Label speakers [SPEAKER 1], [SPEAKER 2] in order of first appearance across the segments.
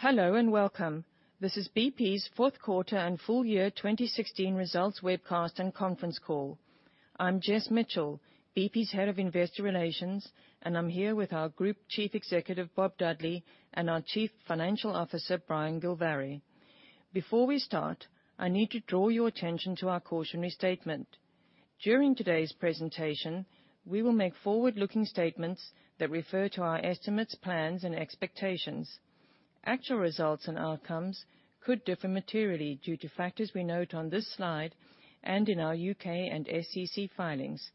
[SPEAKER 1] Hello and welcome. This is BP's fourth quarter and full year 2016 results webcast and conference call. I'm Jess Mitchell, BP's Head of Investor Relations, and I'm here with our Group Chief Executive, Bob Dudley, and our Chief Financial Officer, Brian Gilvary. Before we start, I need to draw your attention to our cautionary statement. During today's presentation, we will make forward-looking statements that refer to our estimates, plans, and expectations. Actual results and outcomes could differ materially due to factors we note on this slide and in our U.K. and SEC filings.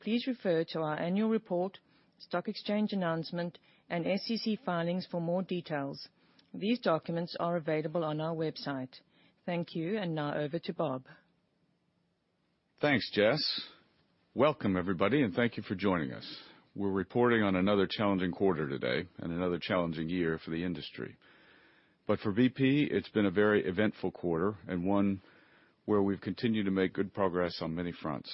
[SPEAKER 1] Please refer to our annual report, stock exchange announcement, and SEC filings for more details. These documents are available on our website. Thank you. Now over to Bob.
[SPEAKER 2] Thanks, Jess. Welcome everybody. Thank you for joining us. We're reporting on another challenging quarter today and another challenging year for the industry. For BP, it's been a very eventful quarter and one where we've continued to make good progress on many fronts.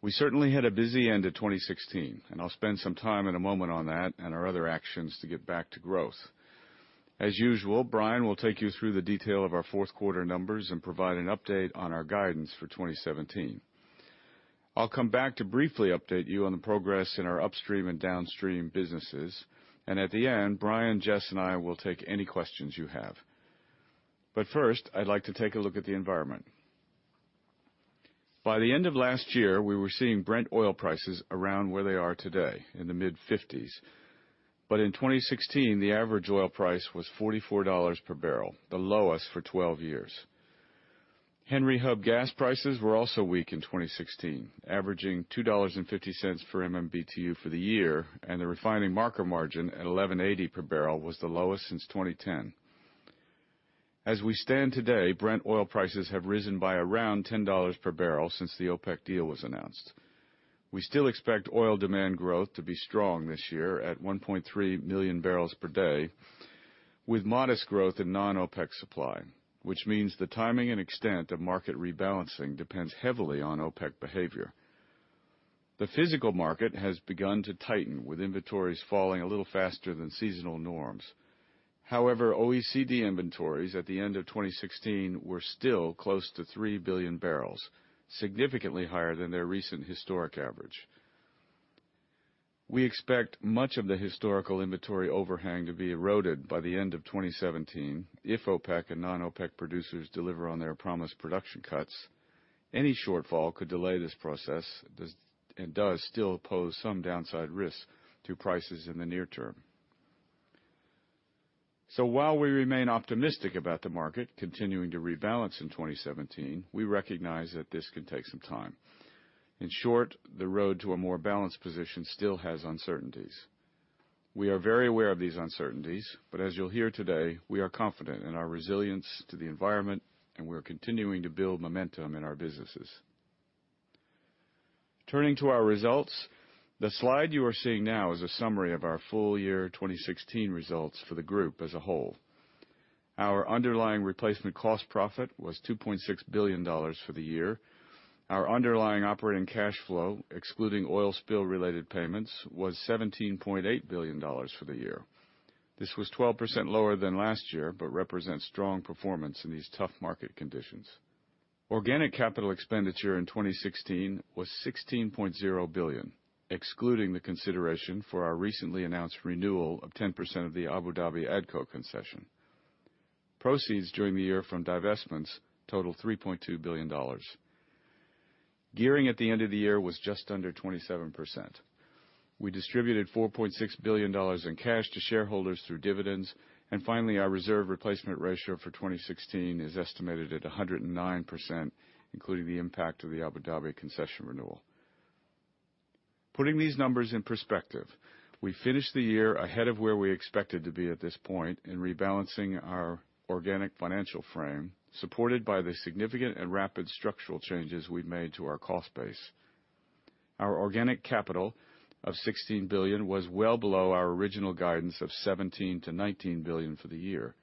[SPEAKER 2] We certainly had a busy end to 2016. I'll spend some time in a moment on that and our other actions to get back to growth. As usual, Brian will take you through the detail of our fourth quarter numbers and provide an update on our guidance for 2017. I'll come back to briefly update you on the progress in our upstream and downstream businesses. At the end, Brian, Jess, and I will take any questions you have. First, I'd like to take a look at the environment. By the end of last year, we were seeing Brent oil prices around where they are today, in the mid-50s. In 2016, the average oil price was $44 per barrel, the lowest for 12 years. Henry Hub gas prices were also weak in 2016, averaging $2.50 per MMBtu for the year. The refining marker margin at $11.80 per barrel was the lowest since 2010. As we stand today, Brent oil prices have risen by around $10 per barrel since the OPEC deal was announced. We still expect oil demand growth to be strong this year at 1.3 million barrels per day, with modest growth in non-OPEC supply, which means the timing and extent of market rebalancing depends heavily on OPEC behavior. The physical market has begun to tighten with inventories falling a little faster than seasonal norms. However, OECD inventories at the end of 2016 were still close to 3 billion barrels, significantly higher than their recent historic average. We expect much of the historical inventory overhang to be eroded by the end of 2017 if OPEC and non-OPEC producers deliver on their promised production cuts. Any shortfall could delay this process and does still pose some downside risks to prices in the near term. While we remain optimistic about the market continuing to rebalance in 2017, we recognize that this can take some time. In short, the road to a more balanced position still has uncertainties. We are very aware of these uncertainties. As you'll hear today, we are confident in our resilience to the environment, and we're continuing to build momentum in our businesses. Turning to our results, the slide you are seeing now is a summary of our full year 2016 results for the group as a whole. Our underlying replacement cost profit was $2.6 billion for the year. Our underlying operating cash flow, excluding oil spill-related payments, was $17.8 billion for the year. This was 12% lower than last year, represents strong performance in these tough market conditions. Organic capital expenditure in 2016 was $16.0 billion, excluding the consideration for our recently announced renewal of 10% of the Abu Dhabi ADCO concession. Proceeds during the year from divestments totaled $3.2 billion. Gearing at the end of the year was just under 27%. We distributed $4.6 billion in cash to shareholders through dividends. Finally, our reserve replacement ratio for 2016 is estimated at 109%, including the impact of the Abu Dhabi concession renewal. Putting these numbers in perspective, we finished the year ahead of where we expected to be at this point in rebalancing our organic financial frame, supported by the significant and rapid structural changes we've made to our cost base. Our organic capital of $16 billion was well below our original guidance of $17 billion-$19 billion for the year.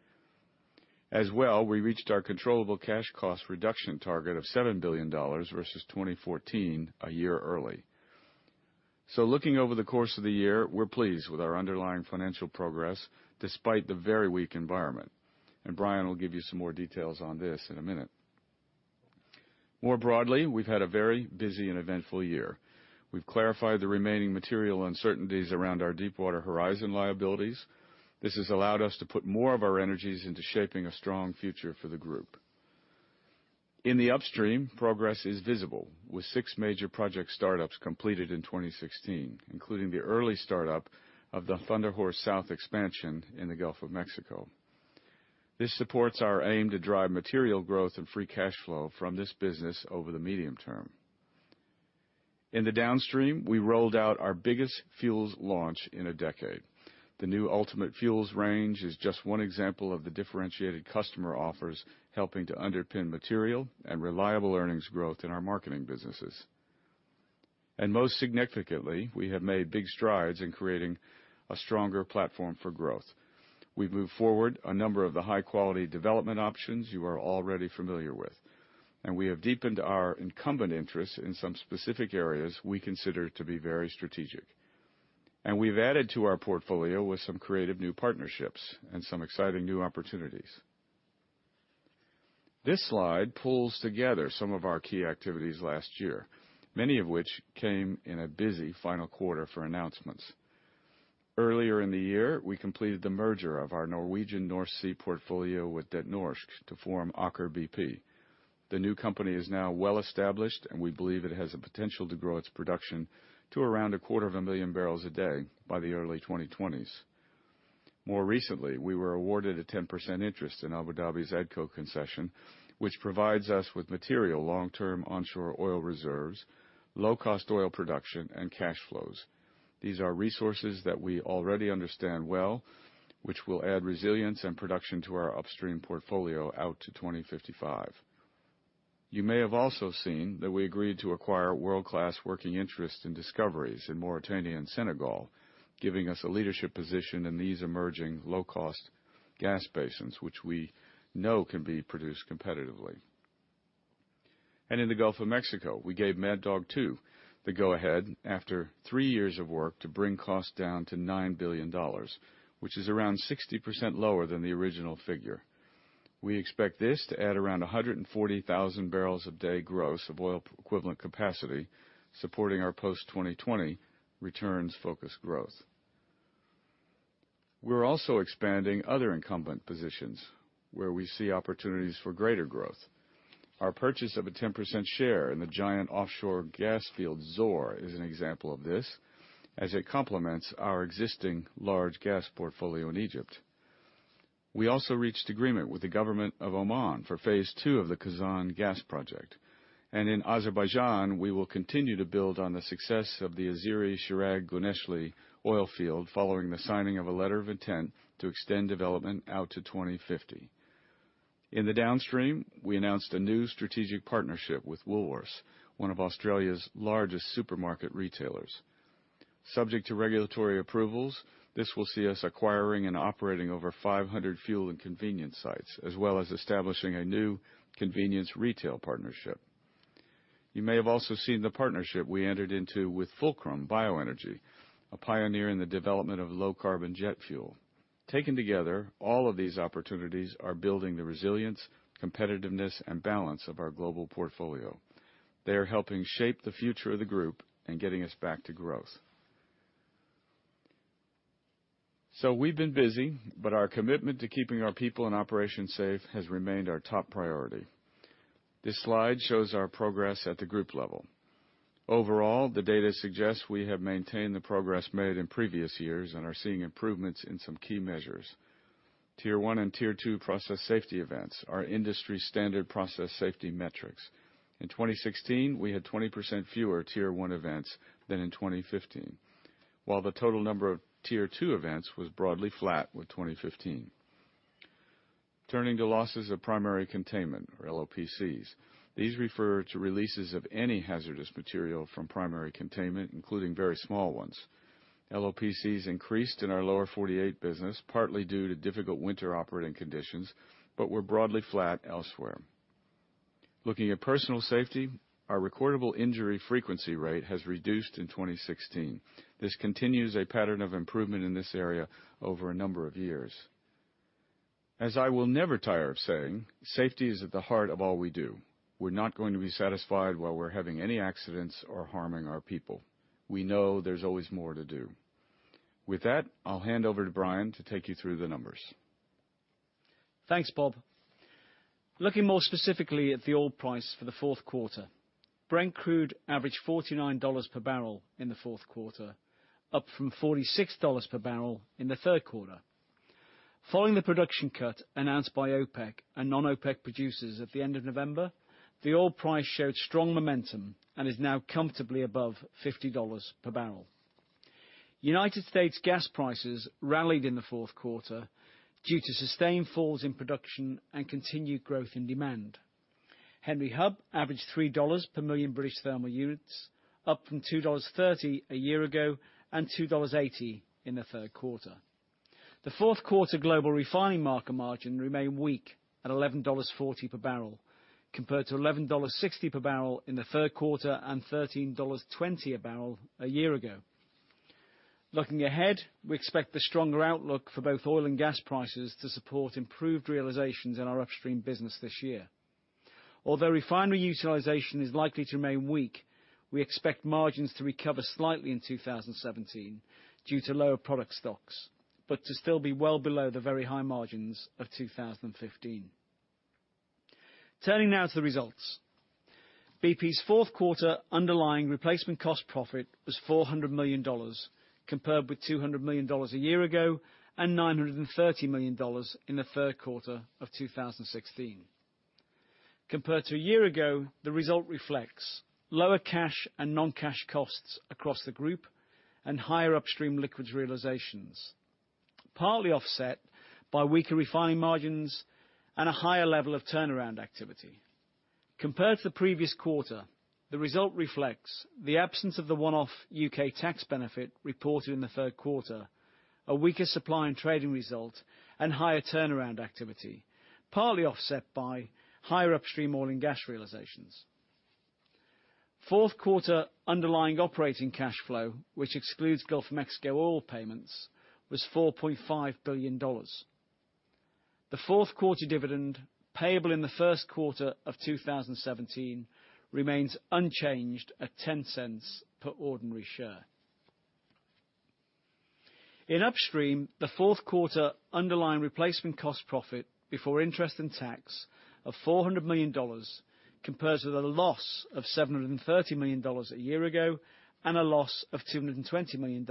[SPEAKER 2] As well, we reached our controllable cash cost reduction target of $7 billion versus 2014 a year early. Looking over the course of the year, we're pleased with our underlying financial progress despite the very weak environment, and Brian will give you some more details on this in a minute. More broadly, we've had a very busy and eventful year. We've clarified the remaining material uncertainties around our Deepwater Horizon liabilities. This has allowed us to put more of our energies into shaping a strong future for the group. In the upstream, progress is visible with six major project startups completed in 2016, including the early startup of the Thunder Horse South expansion in the Gulf of Mexico. This supports our aim to drive material growth and free cash flow from this business over the medium term. In the downstream, we rolled out our biggest fuels launch in a decade. The new bp Ultimate Fuels range is just one example of the differentiated customer offers helping to underpin material and reliable earnings growth in our marketing businesses. Most significantly, we have made big strides in creating a stronger platform for growth. We've moved forward a number of the high-quality development options you are already familiar with. We have deepened our incumbent interests in some specific areas we consider to be very strategic. We've added to our portfolio with some creative new partnerships and some exciting new opportunities. This slide pulls together some of our key activities last year, many of which came in a busy final quarter for announcements. Earlier in the year, we completed the merger of our Norwegian North Sea portfolio with Det Norske to form Aker BP. The new company is now well-established, and we believe it has the potential to grow its production to around a quarter of a million barrels a day by the early 2020s. More recently, we were awarded a 10% interest in Abu Dhabi's ADCO concession, which provides us with material long-term onshore oil reserves, low-cost oil production, and cash flows. These are resources that we already understand well, which will add resilience and production to our upstream portfolio out to 2055. You may have also seen that we agreed to acquire world-class working interests and discoveries in Mauritania and Senegal, giving us a leadership position in these emerging low-cost gas basins, which we know can be produced competitively. In the Gulf of Mexico, we gave Mad Dog 2 the go-ahead after three years of work to bring costs down to $9 billion, which is around 60% lower than the original figure. We expect this to add around 140,000 barrels a day gross of oil equivalent capacity, supporting our post-2020 returns-focused growth. We're also expanding other incumbent positions where we see opportunities for greater growth. Our purchase of a 10% share in the giant offshore gas field Zohr is an example of this, as it complements our existing large gas portfolio in Egypt. We also reached agreement with the government of Oman for phase 2 of the Khazzan gas project. In Azerbaijan, we will continue to build on the success of the Azeri–Chirag–Guneshli oil field following the signing of a letter of intent to extend development out to 2050. In the downstream, we announced a new strategic partnership with Woolworths, one of Australia's largest supermarket retailers. Subject to regulatory approvals, this will see us acquiring and operating over 500 fuel and convenience sites, as well as establishing a new convenience retail partnership. You may have also seen the partnership we entered into with Fulcrum BioEnergy, a pioneer in the development of low-carbon jet fuel. Taken together, all of these opportunities are building the resilience, competitiveness, and balance of our global portfolio. They are helping shape the future of the group and getting us back to growth. We've been busy, but our commitment to keeping our people and operations safe has remained our top priority. This slide shows our progress at the group level. Overall, the data suggests we have maintained the progress made in previous years and are seeing improvements in some key measures. Tier 1 and Tier 2 process safety events are industry-standard process safety metrics. In 2016, we had 20% fewer Tier 1 events than in 2015, while the total number of Tier 2 events was broadly flat with 2015. Turning to losses of primary containment, or LOPCs. These refer to releases of any hazardous material from primary containment, including very small ones. LOPCs increased in our Lower 48 business, partly due to difficult winter operating conditions, but were broadly flat elsewhere. Looking at personal safety, our recordable injury frequency rate has reduced in 2016. This continues a pattern of improvement in this area over a number of years. As I will never tire of saying, safety is at the heart of all we do. We're not going to be satisfied while we're having any accidents or harming our people. We know there's always more to do. With that, I'll hand over to Brian to take you through the numbers.
[SPEAKER 3] Thanks, Bob. Looking more specifically at the oil price for the fourth quarter, Brent crude averaged $49 per barrel in the fourth quarter, up from $46 per barrel in the third quarter. Following the production cut announced by OPEC and non-OPEC producers at the end of November, the oil price showed strong momentum and is now comfortably above $50 per barrel. U.S. gas prices rallied in the fourth quarter due to sustained falls in production and continued growth in demand. Henry Hub averaged $3 per million British thermal units, up from $2.30 a year ago and $2.80 in the third quarter. The fourth quarter global refining market margin remained weak at $11.40 per barrel, compared to $11.60 per barrel in the third quarter and $13.20 a barrel a year ago. Looking ahead, we expect the stronger outlook for both oil and gas prices to support improved realizations in our upstream business this year. Although refinery utilization is likely to remain weak, we expect margins to recover slightly in 2017 due to lower product stocks, but to still be well below the very high margins of 2015. Turning now to the results. BP's fourth quarter underlying replacement cost profit was $400 million, compared with $200 million a year ago and $930 million in the third quarter of 2016. Compared to a year ago, the result reflects lower cash and non-cash costs across the group and higher upstream liquids realizations, partly offset by weaker refining margins and a higher level of turnaround activity. Compared to the previous quarter, the result reflects the absence of the one-off U.K. tax benefit reported in the third quarter, a weaker supply and trading result, and higher turnaround activity, partly offset by higher upstream oil and gas realizations. Fourth quarter underlying operating cash flow, which excludes Gulf of Mexico oil payments, was $4.5 billion. The fourth quarter dividend, payable in the first quarter of 2017, remains unchanged at $0.10 per ordinary share. In upstream, the fourth quarter underlying replacement cost profit before interest and tax of $400 million compares with a loss of $730 million a year ago and a loss of $220 million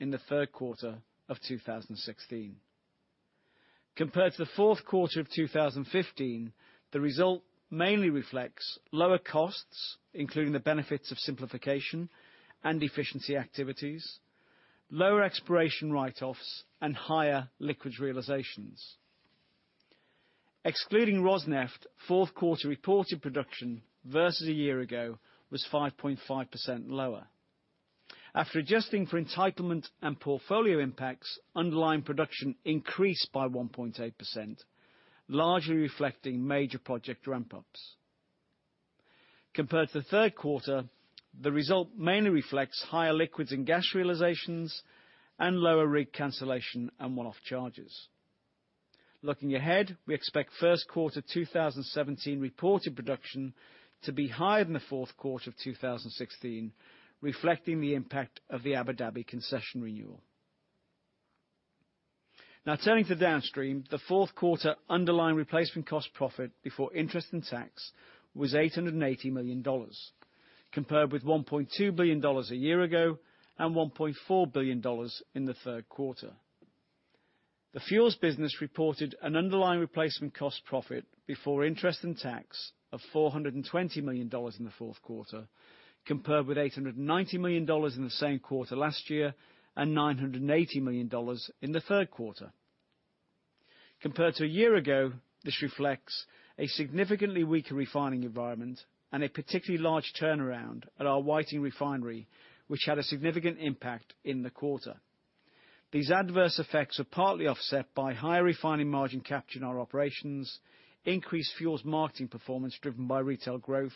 [SPEAKER 3] in the third quarter of 2016. Compared to the fourth quarter of 2015, the result mainly reflects lower costs, including the benefits of simplification and efficiency activities, lower exploration write-offs, and higher liquids realizations. Excluding Rosneft, fourth quarter reported production versus a year ago was 5.5% lower. After adjusting for entitlement and portfolio impacts, underlying production increased by 1.8%, largely reflecting major project ramp-ups. Compared to the third quarter, the result mainly reflects higher liquids and gas realizations and lower rig cancellation and one-off charges. Looking ahead, we expect first quarter 2017 reported production to be higher than the fourth quarter of 2016, reflecting the impact of the Abu Dhabi concession renewal. Turning to Downstream, the fourth quarter underlying replacement cost profit before interest and tax was $880 million, compared with $1.2 billion a year ago and $1.4 billion in the third quarter. The fuels business reported an underlying replacement cost profit before interest and tax of $420 million in the fourth quarter, compared with $890 million in the same quarter last year and $980 million in the third quarter. Compared to a year ago, this reflects a significantly weaker refining environment and a particularly large turnaround at our Whiting Refinery, which had a significant impact in the quarter. These adverse effects are partly offset by higher refining margin capture in our operations, increased fuels marketing performance driven by retail growth,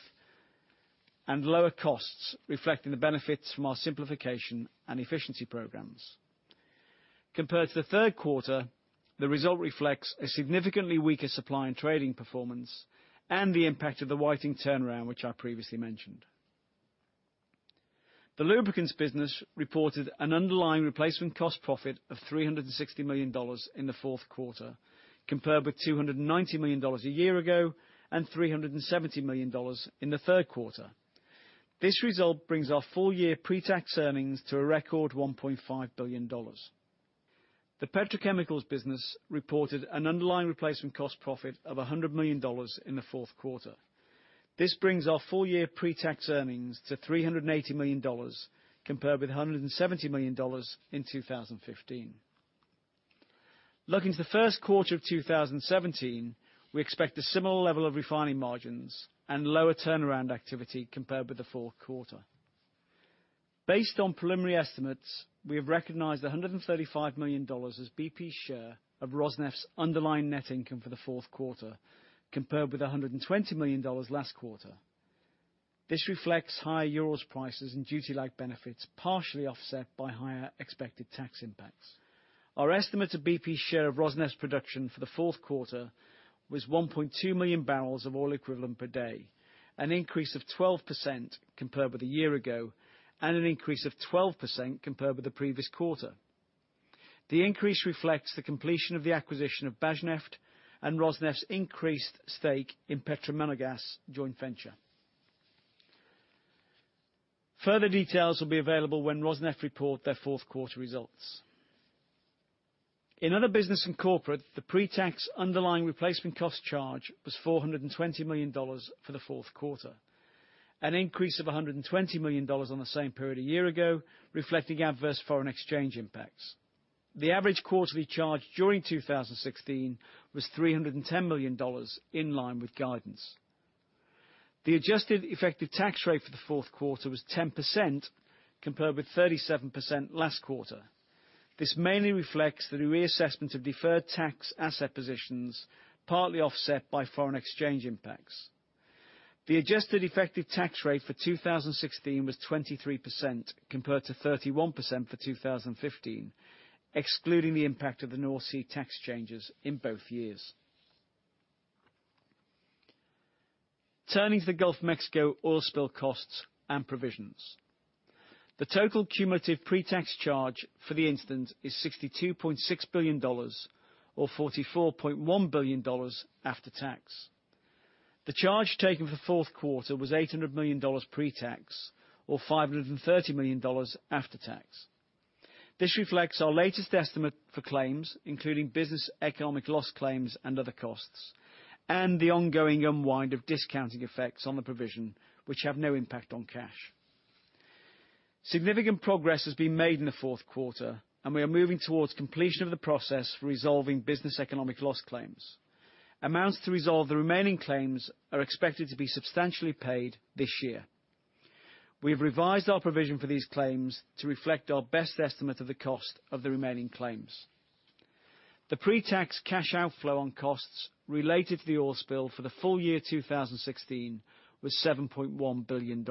[SPEAKER 3] and lower costs reflecting the benefits from our simplification and efficiency programs. Compared to the third quarter, the result reflects a significantly weaker supply and trading performance and the impact of the Whiting turnaround, which I previously mentioned. The lubricants business reported an underlying replacement cost profit of $360 million in the fourth quarter, compared with $290 million a year ago and $370 million in the third quarter. This result brings our full-year pretax earnings to a record $1.5 billion. The petrochemicals business reported an underlying replacement cost profit of $100 million in the fourth quarter. This brings our full-year pretax earnings to $380 million, compared with $170 million in 2015. Looking to the first quarter of 2017, we expect a similar level of refining margins and lower turnaround activity compared with the fourth quarter. Based on preliminary estimates, we have recognized $135 million as BP's share of Rosneft's underlying net income for the fourth quarter, compared with $120 million last quarter. This reflects higher Urals prices and duty-like benefits, partially offset by higher expected tax impacts. Our estimate of BP's share of Rosneft's production for the fourth quarter was 1.2 million barrels of oil equivalent per day, an increase of 12% compared with a year ago, and an increase of 12% compared with the previous quarter. The increase reflects the completion of the acquisition of Bashneft and Rosneft's increased stake in Petromonagas joint venture. Further details will be available when Rosneft report their fourth quarter results. In other business and corporate, the pretax underlying replacement cost charge was $420 million for the fourth quarter, an increase of $120 million on the same period a year ago, reflecting adverse foreign exchange impacts. The average quarterly charge during 2016 was $310 million, in line with guidance. The adjusted effective tax rate for the fourth quarter was 10%, compared with 37% last quarter. This mainly reflects the reassessment of deferred tax asset positions, partly offset by foreign exchange impacts. The adjusted effective tax rate for 2016 was 23%, compared to 31% for 2015, excluding the impact of the North Sea tax changes in both years. Turning to the Gulf of Mexico oil spill costs and provisions. The total cumulative pretax charge for the incident is $62.6 billion, or $44.1 billion after tax. The charge taken for fourth quarter was $800 million pretax or $530 million after tax. This reflects our latest estimate for claims, including business economic loss claims and other costs, and the ongoing unwind of discounting effects on the provision, which have no impact on cash. Significant progress has been made in the fourth quarter, and we are moving towards completion of the process for resolving business economic loss claims. Amounts to resolve the remaining claims are expected to be substantially paid this year. We have revised our provision for these claims to reflect our best estimate of the cost of the remaining claims. The pretax cash outflow on costs related to the oil spill for the full year 2016 was $7.1 billion.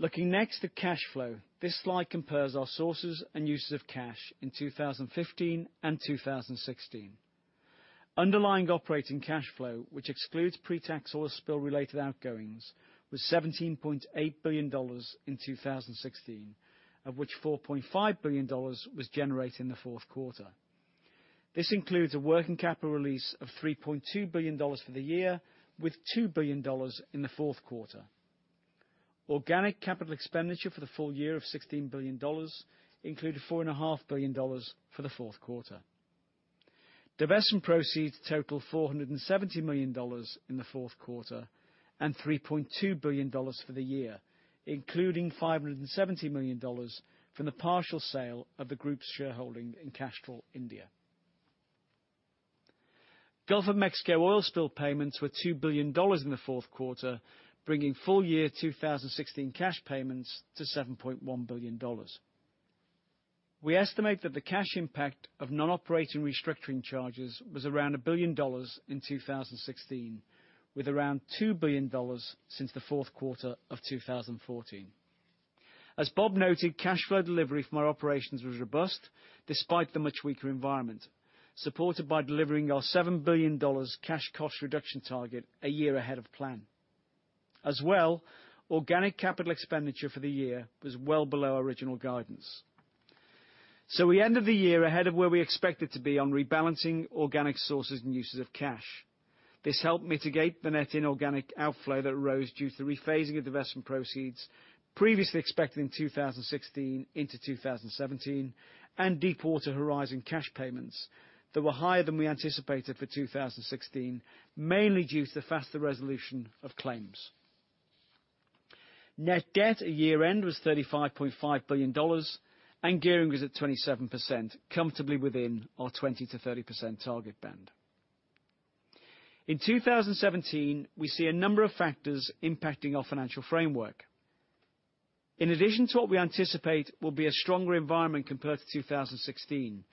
[SPEAKER 3] Looking next at cash flow, this slide compares our sources and uses of cash in 2015 and 2016. Underlying operating cash flow, which excludes pre-tax oil spill related outgoings, was $17.8 billion in 2016, of which $4.5 billion was generated in the fourth quarter. This includes a working capital release of $3.2 billion for the year, with $2 billion in the fourth quarter. Organic capital expenditure for the full year of $16 billion included $4.5 billion for the fourth quarter. Divestment proceeds totaled $470 million in the fourth quarter, and $3.2 billion for the year, including $570 million from the partial sale of the group's shareholding in Castrol India. Gulf of Mexico oil spill payments were $2 billion in the fourth quarter, bringing full-year 2016 cash payments to $7.1 billion. We estimate that the cash impact of non-operating restructuring charges was around $1 billion in 2016, with around $2 billion since the fourth quarter of 2014. As Bob noted, cash flow delivery from our operations was robust despite the much weaker environment, supported by delivering our $7 billion cash cost reduction target a year ahead of plan. Organic capital expenditure for the year was well below original guidance. We ended the year ahead of where we expected to be on rebalancing organic sources and uses of cash. This helped mitigate the net inorganic outflow that arose due to rephasing of divestment proceeds previously expected in 2016 into 2017, and Deepwater Horizon cash payments that were higher than we anticipated for 2016, mainly due to the faster resolution of claims. Net debt at year-end was $35.5 billion, and gearing was at 27%, comfortably within our 20%-30% target band. In 2017, we see a number of factors impacting our financial framework. In addition to what we anticipate will be a stronger environment compared to 2016,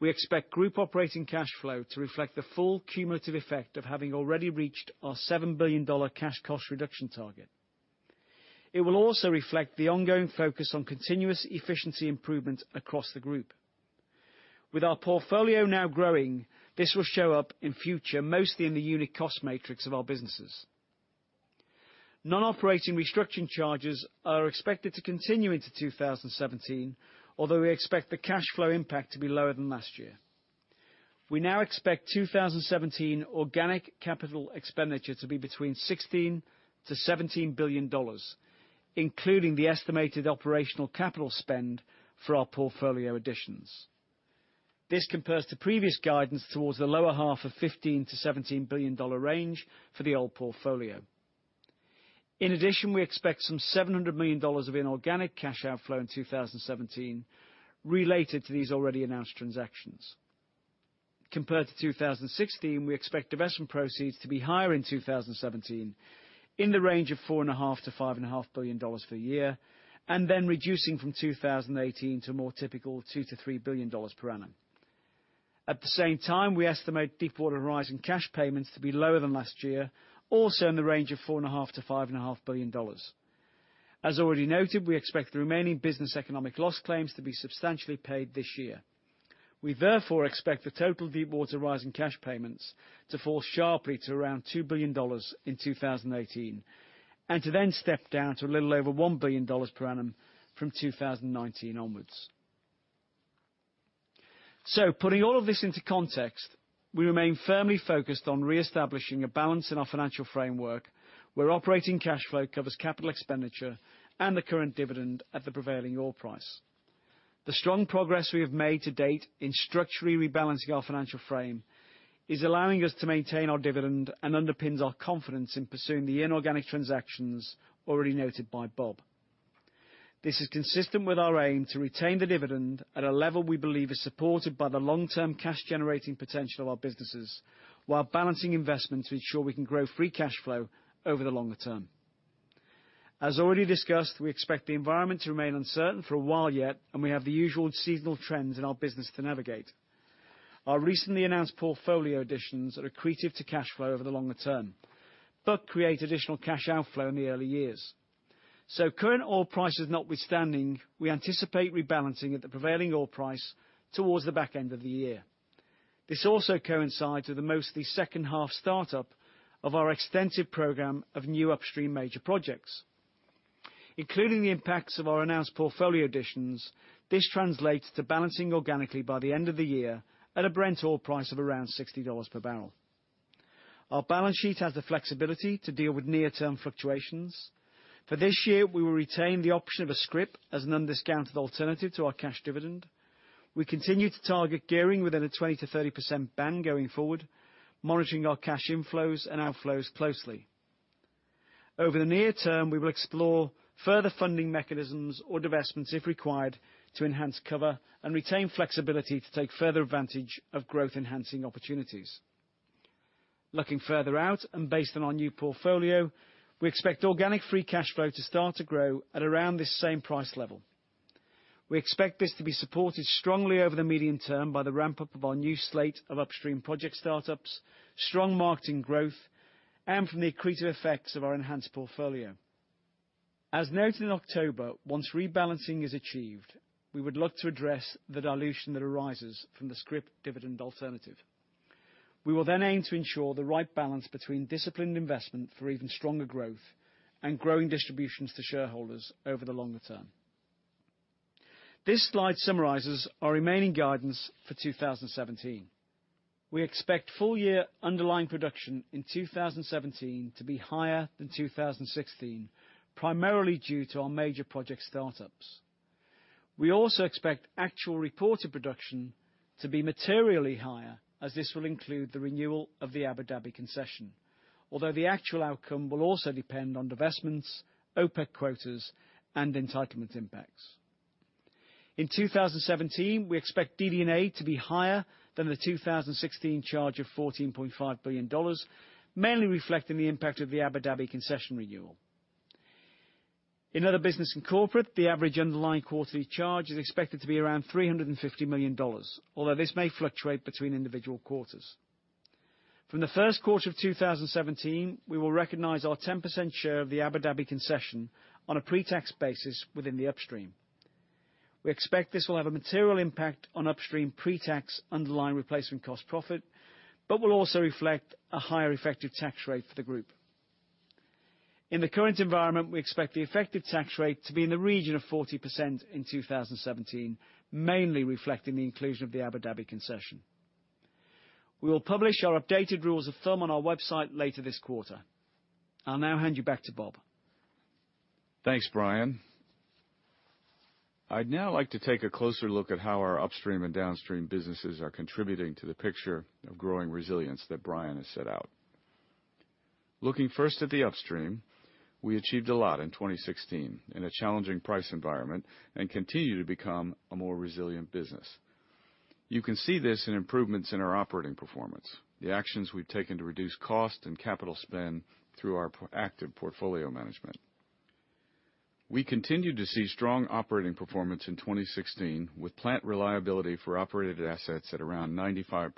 [SPEAKER 3] we expect group operating cash flow to reflect the full cumulative effect of having already reached our $7 billion cash cost reduction target. It will also reflect the ongoing focus on continuous efficiency improvement across the group. With our portfolio now growing, this will show up in future mostly in the unit cost matrix of our businesses. Non-operating restructuring charges are expected to continue into 2017, although we expect the cash flow impact to be lower than last year. We now expect 2017 organic capital expenditure to be between $16 billion-$17 billion, including the estimated operational capital spend for our portfolio additions. This compares to previous guidance towards the lower half of $15 billion-$17 billion range for the old portfolio. In addition, we expect some $700 million of inorganic cash outflow in 2017 related to these already announced transactions. Compared to 2016, we expect divestment proceeds to be higher in 2017, in the range of $4.5 billion-$5.5 billion for the year, and then reducing from 2018 to a more typical $2 billion-$3 billion per annum. At the same time, we estimate Deepwater Horizon cash payments to be lower than last year, also in the range of $4.5 billion-$5.5 billion. As already noted, we expect the remaining business economic loss claims to be substantially paid this year. We therefore expect the total Deepwater Horizon cash payments to fall sharply to around $2 billion in 2018, and to then step down to a little over $1 billion per annum from 2019 onwards. Putting all of this into context, we remain firmly focused on reestablishing a balance in our financial framework, where operating cash flow covers capital expenditure and the current dividend at the prevailing oil price. The strong progress we have made to date in structurally rebalancing our financial frame is allowing us to maintain our dividend and underpins our confidence in pursuing the inorganic transactions already noted by Bob. This is consistent with our aim to retain the dividend at a level we believe is supported by the long-term cash-generating potential of our businesses, while balancing investment to ensure we can grow free cash flow over the longer term. We expect the environment to remain uncertain for a while yet, we have the usual seasonal trends in our business to navigate. Our recently announced portfolio additions are accretive to cash flow over the longer term, create additional cash outflow in the early years. Current oil prices notwithstanding, we anticipate rebalancing at the prevailing oil price towards the back end of the year. This also coincides with the mostly second half startup of our extensive program of new Upstream major projects. Including the impacts of our announced portfolio additions, this translates to balancing organically by the end of the year at a Brent oil price of around $60 per barrel. Our balance sheet has the flexibility to deal with near-term fluctuations. For this year, we will retain the option of a scrip as an undiscounted alternative to our cash dividend. We continue to target gearing within a 20%-30% band going forward, monitoring our cash inflows and outflows closely. Over the near term, we will explore further funding mechanisms or divestments if required to enhance cover and retain flexibility to take further advantage of growth-enhancing opportunities. Looking further out, based on our new portfolio, we expect organic free cash flow to start to grow at around this same price level. We expect this to be supported strongly over the medium term by the ramp-up of our new slate of Upstream project startups, strong marketing growth, and from the accretive effects of our enhanced portfolio. As noted in October, once rebalancing is achieved, we would look to address the dilution that arises from the scrip dividend alternative. We will aim to ensure the right balance between disciplined investment for even stronger growth and growing distributions to shareholders over the longer term. This slide summarizes our remaining guidance for 2017. We expect full year underlying production in 2017 to be higher than 2016, primarily due to our major project startups. We also expect actual reported production to be materially higher, as this will include the renewal of the Abu Dhabi concession. Although the actual outcome will also depend on divestments, OPEC quotas, and entitlement impacts. In 2017, we expect DD&A to be higher than the 2016 charge of $14.5 billion, mainly reflecting the impact of the Abu Dhabi concession renewal. In other business and corporate, the average underlying quarterly charge is expected to be around $350 million, although this may fluctuate between individual quarters. From the first quarter of 2017, we will recognize our 10% share of the Abu Dhabi concession on a pre-tax basis within the Upstream. We expect this will have a material impact on Upstream pre-tax underlying replacement cost profit, but will also reflect a higher effective tax rate for the group. In the current environment, we expect the effective tax rate to be in the region of 40% in 2017, mainly reflecting the inclusion of the ADCO concession. We will publish our updated rules of thumb on our website later this quarter. I'll now hand you back to Bob.
[SPEAKER 2] Thanks, Brian. I'd now like to take a closer look at how our Upstream and Downstream businesses are contributing to the picture of growing resilience that Brian has set out. Looking first at the Upstream, we achieved a lot in 2016 in a challenging price environment and continue to become a more resilient business. You can see this in improvements in our operating performance, the actions we've taken to reduce cost and capital spend through our active portfolio management. We continued to see strong operating performance in 2016, with plant reliability for operated assets at around 95%.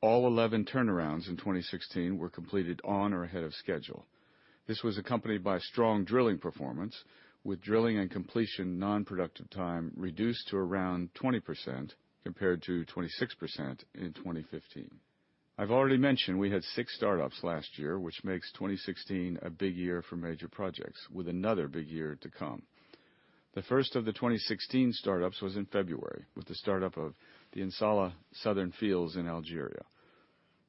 [SPEAKER 2] All 11 turnarounds in 2016 were completed on or ahead of schedule. This was accompanied by strong drilling performance, with drilling and completion non-productive time reduced to around 20%, compared to 26% in 2015. I've already mentioned we had six startups last year, which makes 2016 a big year for major projects, with another big year to come. The first of the 2016 startups was in February, with the startup of the In Salah southern fields in Algeria.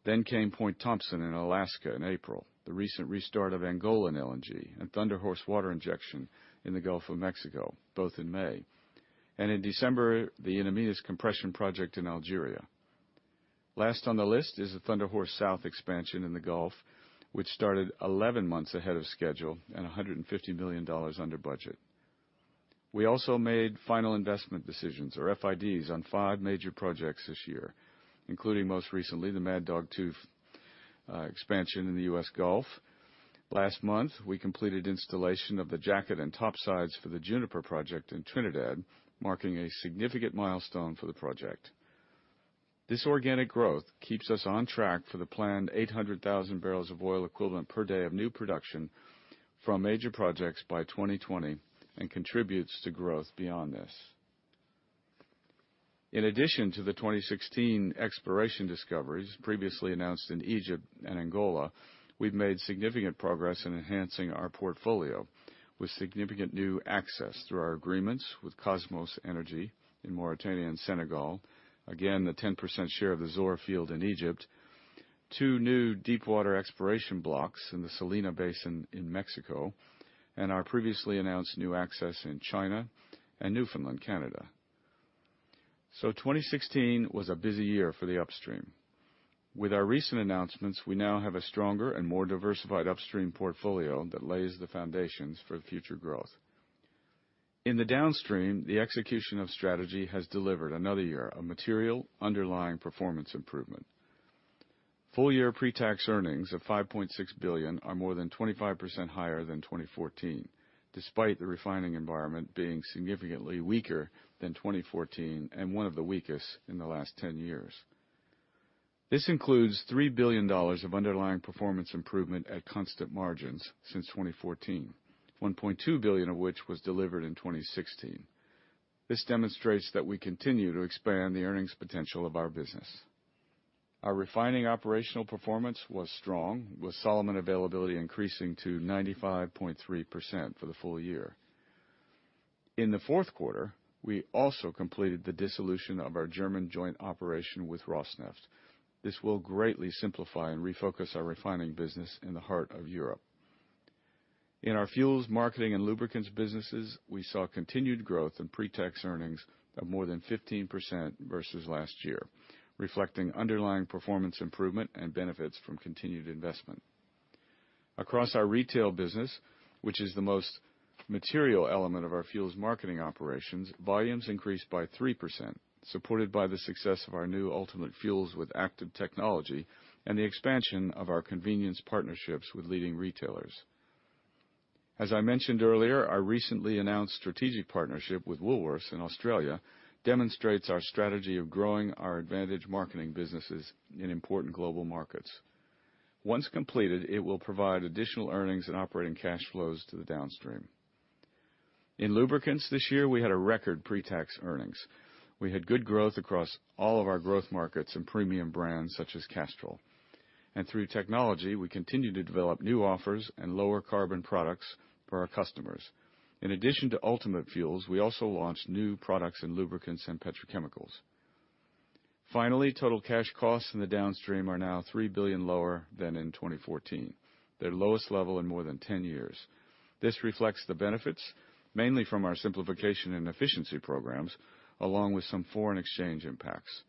[SPEAKER 2] Then came Point Thompson in Alaska in April, the recent restart of Angolan LNG, and Thunder Horse water injection in the Gulf of Mexico, both in May. In December, the In Amenas compression project in Algeria. Last on the list is the Thunder Horse South expansion in the Gulf, which started 11 months ahead of schedule and $150 million under budget. We also made final investment decisions, or FIDs, on five major projects this year, including most recently the Mad Dog 2 expansion in the U.S. Gulf. Last month, we completed installation of the jacket and topsides for the Juniper project in Trinidad, marking a significant milestone for the project. This organic growth keeps us on track for the planned 800,000 barrels of oil equivalent per day of new production from major projects by 2020 and contributes to growth beyond this. In addition to the 2016 exploration discoveries previously announced in Egypt and Angola, we've made significant progress in enhancing our portfolio with significant new access through our agreements with Kosmos Energy in Mauritania and Senegal. Again, the 10% share of the Zohr field in Egypt, two new deep water exploration blocks in the Salina Basin in Mexico, and our previously announced new access in China and Newfoundland, Canada. 2016 was a busy year for the Upstream. With our recent announcements, we now have a stronger and more diversified Upstream portfolio that lays the foundations for future growth. In the Downstream, the execution of strategy has delivered another year of material underlying performance improvement. Full year pre-tax earnings of $5.6 billion are more than 25% higher than 2014, despite the refining environment being significantly weaker than 2014 and one of the weakest in the last 10 years. This includes $3 billion of underlying performance improvement at constant margins since 2014, $1.2 billion of which was delivered in 2016. This demonstrates that we continue to expand the earnings potential of our business. Our refining operational performance was strong, with Solomon availability increasing to 95.3% for the full year. In the fourth quarter, we also completed the dissolution of our German joint operation with Rosneft. This will greatly simplify and refocus our refining business in the heart of Europe. In our fuels marketing and lubricants businesses, we saw continued growth in pre-tax earnings of more than 15% versus last year, reflecting underlying performance improvement and benefits from continued investment. Across our retail business, which is the most material element of our fuels marketing operations, volumes increased by 3%, supported by the success of our new bp Ultimate with ACTIVE technology and the expansion of our convenience partnerships with leading retailers. As I mentioned earlier, our recently announced strategic partnership with Woolworths in Australia demonstrates our strategy of growing our advantaged marketing businesses in important global markets. Once completed, it will provide additional earnings and operating cash flows to the Downstream. In lubricants this year, we had record pre-tax earnings. We had good growth across all of our growth markets and premium brands such as Castrol. Through technology, we continue to develop new offers and lower carbon products for our customers. In addition to bp Ultimate, we also launched new products in lubricants and petrochemicals. Finally, total cash costs in the Downstream are now $3 billion lower than in 2014, their lowest level in more than 10 years. This reflects the benefits, mainly from our simplification and efficiency programs, along with some foreign exchange impacts.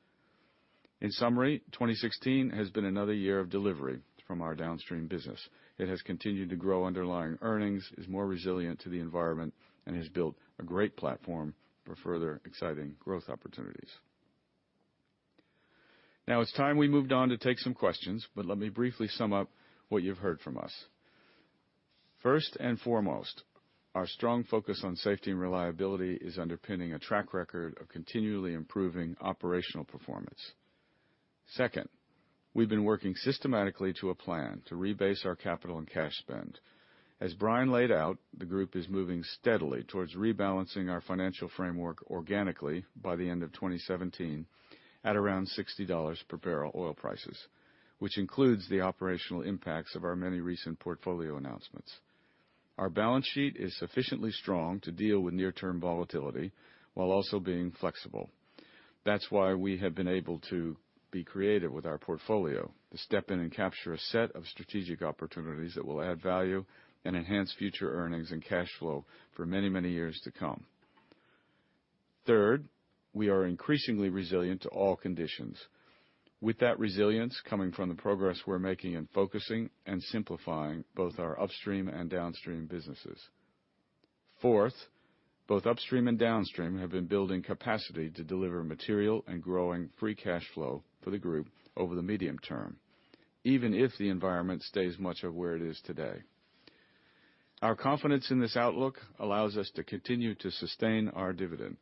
[SPEAKER 2] In summary, 2016 has been another year of delivery from our Downstream business. It has continued to grow underlying earnings, is more resilient to the environment, and has built a great platform for further exciting growth opportunities. Let me briefly sum up what you've heard from us. First and foremost, our strong focus on safety and reliability is underpinning a track record of continually improving operational performance. Second, we've been working systematically to a plan to rebase our capital and cash spend. As Brian laid out, the group is moving steadily towards rebalancing our financial framework organically by the end of 2017 at around $60 per barrel oil prices, which includes the operational impacts of our many recent portfolio announcements. Our balance sheet is sufficiently strong to deal with near-term volatility while also being flexible. That's why we have been able to be creative with our portfolio to step in and capture a set of strategic opportunities that will add value and enhance future earnings and cash flow for many, many years to come. Third, we are increasingly resilient to all conditions, with that resilience coming from the progress we're making in focusing and simplifying both our Upstream and Downstream businesses. Fourth, both Upstream and Downstream have been building capacity to deliver material and growing free cash flow for the group over the medium term, even if the environment stays much of where it is today. Our confidence in this outlook allows us to continue to sustain our dividend.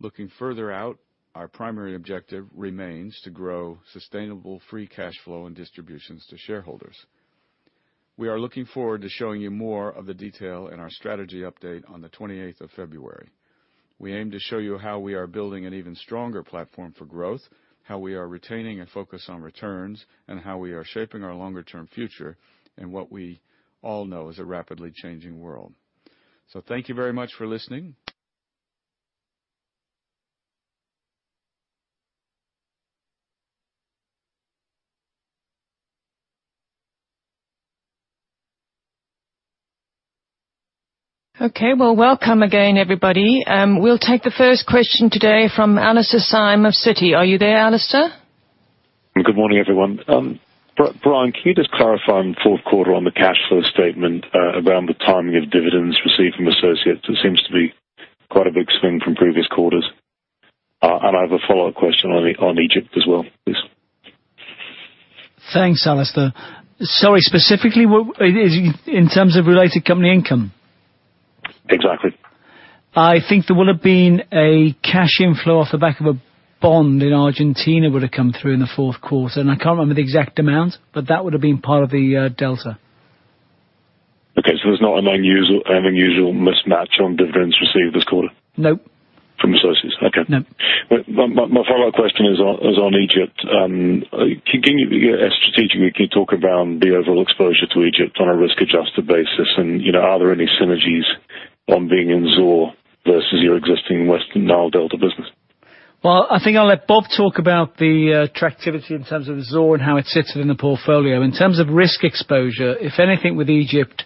[SPEAKER 2] Looking further out, our primary objective remains to grow sustainable free cash flow and distributions to shareholders. We are looking forward to showing you more of the detail in our strategy update on the 28th of February. We aim to show you how we are building an even stronger platform for growth, how we are retaining a focus on returns, and how we are shaping our longer-term future in what we all know is a rapidly changing world. Thank you very much for listening.
[SPEAKER 1] Okay. Well, welcome again, everybody. We'll take the first question today from Alastair Syme of Citi. Are you there, Alastair?
[SPEAKER 4] Good morning, everyone. Brian, can you just clarify on the fourth quarter on the cash flow statement around the timing of dividends received from associates? It seems to be quite a big swing from previous quarters. I have a follow-up question on Egypt as well, please.
[SPEAKER 3] Thanks, Alastair. Sorry, specifically, in terms of related company income?
[SPEAKER 4] Exactly.
[SPEAKER 3] I think there would have been a cash inflow off the back of a bond in Argentina would have come through in the fourth quarter. I can't remember the exact amount. That would have been part of the delta.
[SPEAKER 4] Okay. There's not an unusual mismatch on dividends received this quarter?
[SPEAKER 3] No.
[SPEAKER 4] From associates? Okay.
[SPEAKER 3] No.
[SPEAKER 4] My follow-up question is on Egypt. Strategically, can you talk about the overall exposure to Egypt on a risk-adjusted basis? Are there any synergies on being in Zohr versus your existing West Nile Delta business?
[SPEAKER 3] I think I'll let Bob talk about the attractivity in terms of Zohr and how it sits in the portfolio. In terms of risk exposure, if anything, with Egypt,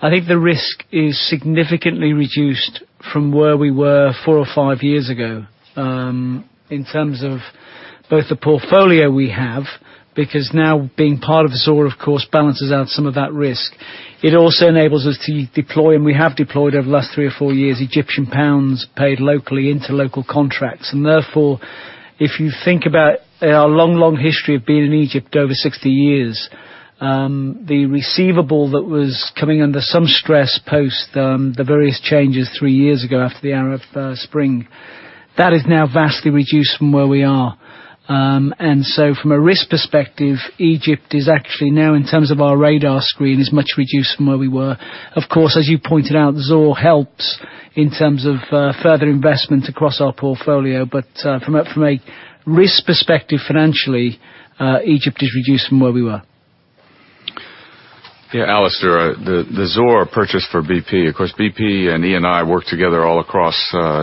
[SPEAKER 3] I think the risk is significantly reduced from where we were four or five years ago in terms of both the portfolio we have, because now being part of Zohr, of course, balances out some of that risk. It also enables us to deploy, and we have deployed over the last three or four years, Egyptian pounds paid locally into local contracts. Therefore, if you think about our long history of being in Egypt over 60 years, the receivable that was coming under some stress post the various changes three years ago after the Arab Spring, that is now vastly reduced from where we are. From a risk perspective, Egypt is actually now in terms of our radar screen, is much reduced from where we were. Of course, as you pointed out, Zohr helps in terms of further investment across our portfolio. From a risk perspective, financially, Egypt is reduced from where we were.
[SPEAKER 2] Yeah, Alastair, the Zohr purchase for BP. Of course, BP and Eni work together all across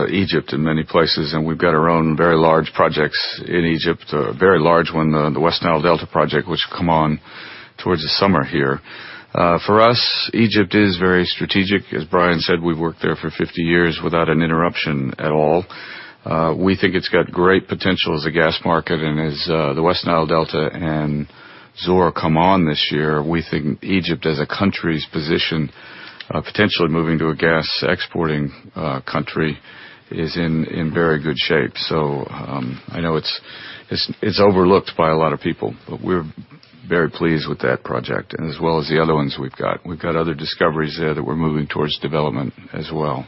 [SPEAKER 2] Egypt in many places, and we've got our own very large projects in Egypt. A very large one, the West Nile Delta project, which will come on towards the summer here. For us, Egypt is very strategic. As Brian said, we've worked there for 50 years without an interruption at all. We think it's got great potential as a gas market, and as the West Nile Delta and Zohr come on this year, we think Egypt as a country's position, potentially moving to a gas exporting country, is in very good shape. I know it's overlooked by a lot of people, but we're very pleased with that project, as well as the other ones we've got. We've got other discoveries there that we're moving towards development as well.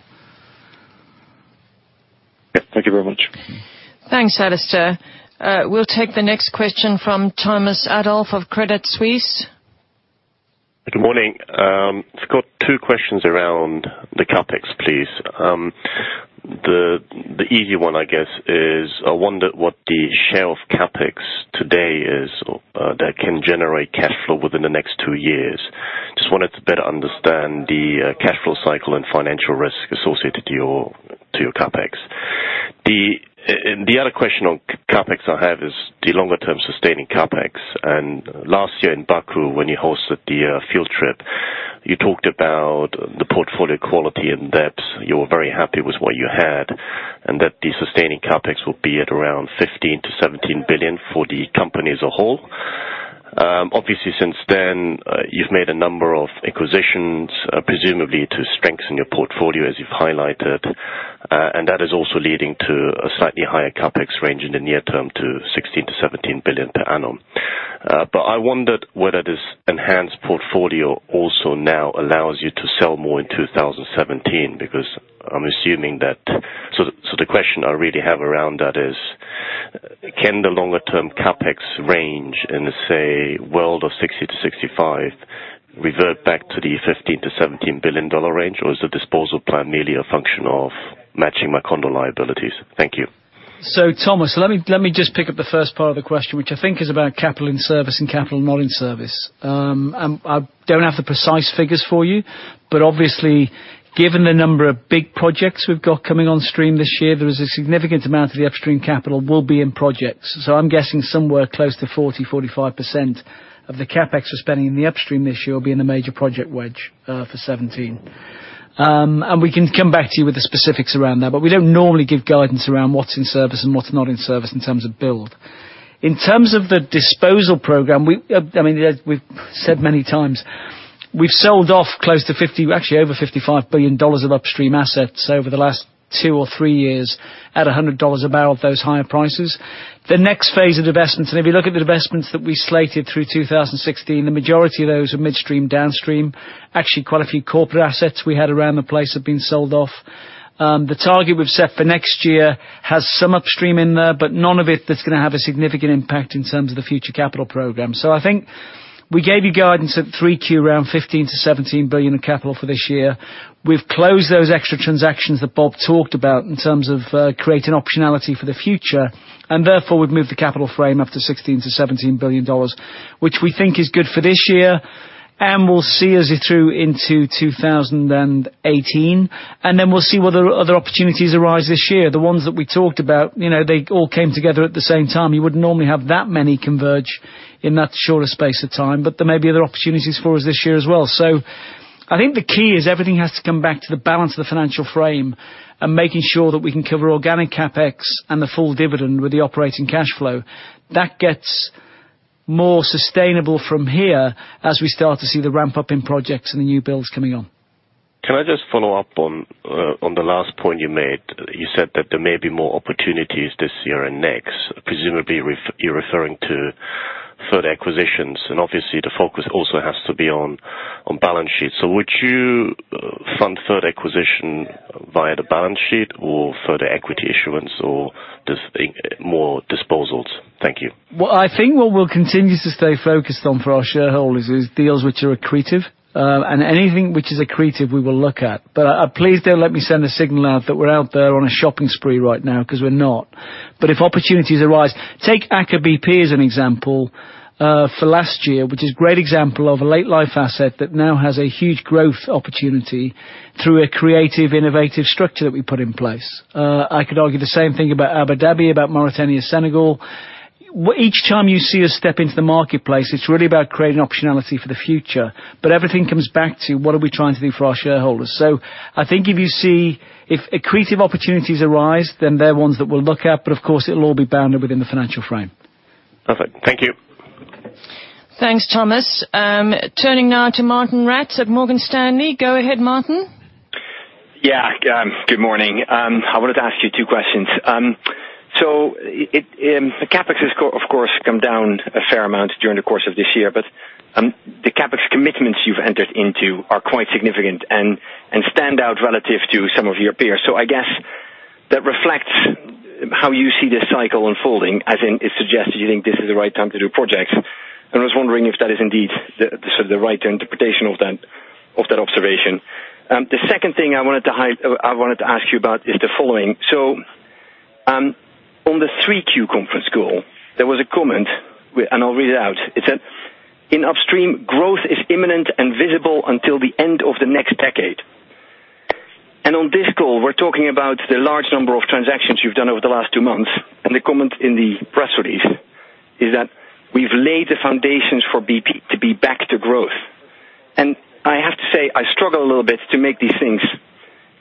[SPEAKER 4] Yeah. Thank you very much.
[SPEAKER 1] Thanks, Alastair. We'll take the next question from Thomas Adolff of Credit Suisse.
[SPEAKER 5] Good morning. I've got two questions around the CapEx, please. The easy one, I guess, is I wonder what the share of CapEx today is that can generate cash flow within the next two years. Just wanted to better understand the cash flow cycle and financial risk associated to your CapEx. The other question on CapEx I have is the longer term sustaining CapEx. Last year in Baku, when you hosted the field trip, you talked about the portfolio quality and depth. You were very happy with what you had, and that the sustaining CapEx will be at around $15 billion-$17 billion for the company as a whole. Obviously, since then, you've made a number of acquisitions, presumably to strengthen your portfolio as you've highlighted. That is also leading to a slightly higher CapEx range in the near term to $16 billion-$17 billion per annum. I wondered whether this enhanced portfolio also now allows you to sell more in 2017. The question I really have around that is, can the longer term CapEx range in, say, world of $60-$65 revert back to the $15 billion-$17 billion range? Is the disposal plan merely a function of matching my contingent liabilities? Thank you.
[SPEAKER 3] Thomas, let me just pick up the first part of the question, which I think is about capital in service and capital not in service. I don't have the precise figures for you, but obviously, given the number of big projects we've got coming on stream this year, there is a significant amount of the upstream capital will be in projects. I'm guessing somewhere close to 40%-45% of the CapEx we're spending in the upstream this year will be in the major project wedge, for 2017. We can come back to you with the specifics around there, but we don't normally give guidance around what's in service and what's not in service in terms of build. In terms of the disposal program, we've said many times, we've sold off close to 50, actually over $55 billion of upstream assets over the last two or three years at $100 a barrel at those higher prices. The next phase of divestments, if you look at the divestments that we slated through 2016, the majority of those are midstream, downstream. Actually, quite a few corporate assets we had around the place have been sold off. The target we've set for next year has some upstream in there, but none of it that's gonna have a significant impact in terms of the future capital program. I think we gave you guidance at 3Q, around $15 billion-$17 billion of capital for this year. We've closed those extra transactions that Bob talked about in terms of creating optionality for the future. Therefore, we've moved the capital frame up to $16 billion-$17 billion, which we think is good for this year, and we'll see as we through into 2018. Then we'll see whether other opportunities arise this year. The ones that we talked about, they all came together at the same time. You wouldn't normally have that many converge in that short a space of time. There may be other opportunities for us this year as well. I think the key is everything has to come back to the balance of the financial frame and making sure that we can cover organic CapEx and the full dividend with the operating cash flow. That gets more sustainable from here as we start to see the ramp-up in projects and the new builds coming on.
[SPEAKER 5] Can I just follow up on the last point you made? You said that there may be more opportunities this year and next. Presumably, you're referring to further acquisitions, and obviously, the focus also has to be on balance sheet. Would you fund further acquisition via the balance sheet or further equity issuance or just more disposals? Thank you.
[SPEAKER 3] Well, I think what we'll continue to stay focused on for our shareholders is deals which are accretive. Anything which is accretive, we will look at. Please don't let me send a signal out that we're out there on a shopping spree right now, because we're not. If opportunities arise, take Aker BP as an example, for last year, which is a great example of a late life asset that now has a huge growth opportunity through a creative, innovative structure that we put in place. I could argue the same thing about Abu Dhabi, about Mauritania, Senegal. Each time you see us step into the marketplace, it's really about creating optionality for the future. Everything comes back to what are we trying to do for our shareholders. I think if you see accretive opportunities arise, they're ones that we'll look at, but of course, it'll all be bounded within the financial frame.
[SPEAKER 5] Perfect. Thank you.
[SPEAKER 1] Thanks, Thomas. Turning now to Martijn Rats at Morgan Stanley. Go ahead, Martijn.
[SPEAKER 6] Good morning. I wanted to ask you two questions. The CapEx has, of course, come down a fair amount during the course of this year, but the CapEx commitments you've entered into are quite significant and stand out relative to some of your peers. I guess that reflects how you see this cycle unfolding, as in it suggests you think this is the right time to do projects. I was wondering if that is indeed the right interpretation of that observation. The second thing I wanted to ask you about is the following. On the 3Q conference call, there was a comment, and I'll read it out. It said, "In Upstream Of the next decade. On this call, we're talking about the large number of transactions you've done over the last two months, and the comment in the press release is that we've laid the foundations for BP to be back to growth. I have to say, I struggle a little bit to make these things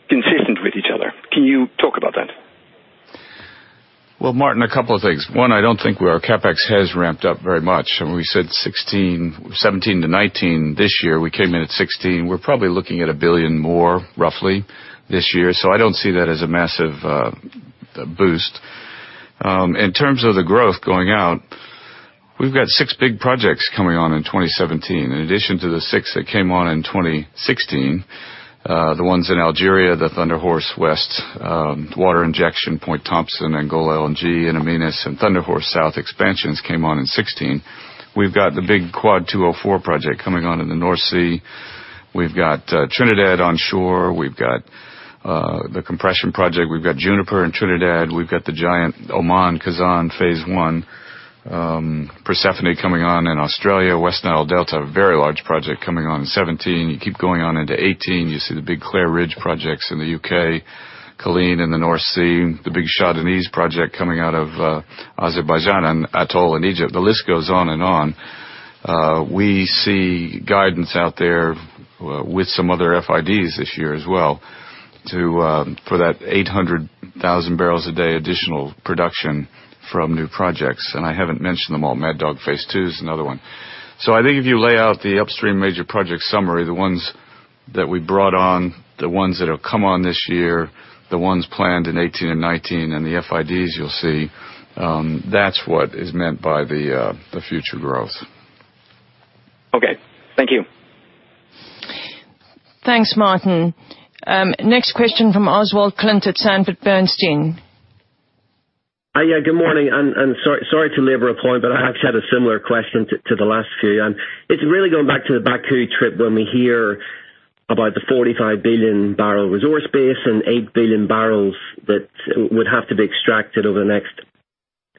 [SPEAKER 6] consistent with each other. Can you talk about that?
[SPEAKER 2] Well, Martijn, a couple of things. One, I don't think our CapEx has ramped up very much. When we said 2017 to 2019 this year, we came in at 2016. We're probably looking at $1 billion more, roughly, this year. I don't see that as a massive boost. In terms of the growth going out, we've got six big projects coming on in 2017. In addition to the six that came on in 2016, the ones in Algeria, the Thunder Horse West water injection, Point Thompson, Angola LNG, and In Amenas, and Thunder Horse South expansions came on in 2016. We've got the big Quad 204 project coming on in the North Sea. We've got Trinidad onshore. We've got the compression project. We've got Juniper in Trinidad. We've got the giant Oman Khazzan phase 1. Persephone coming on in Australia. West Nile Delta, a very large project coming on in 2017. You keep going on into 2018, you see the big Clair Ridge projects in the U.K., Culzean in the North Sea, the big Shah Deniz project coming out of Azerbaijan, and Atoll in Egypt. The list goes on and on. We see guidance out there with some other FIDs this year as well for that 800,000 barrels a day additional production from new projects. I haven't mentioned them all. Mad Dog phase 2 is another one. I think if you lay out the Upstream major project summary, the ones that we brought on, the ones that will come on this year, the ones planned in 2018 and 2019, and the FIDs, you'll see that's what is meant by the future growth.
[SPEAKER 6] Okay. Thank you.
[SPEAKER 1] Thanks, Martijn. Next question from Oswald Clint at Sanford Bernstein.
[SPEAKER 7] Good morning. Sorry to labor a point, I actually had a similar question to the last few. It's really going back to the Baku trip when we hear about the 45 billion barrel resource base and 8 billion barrels that would have to be extracted over the next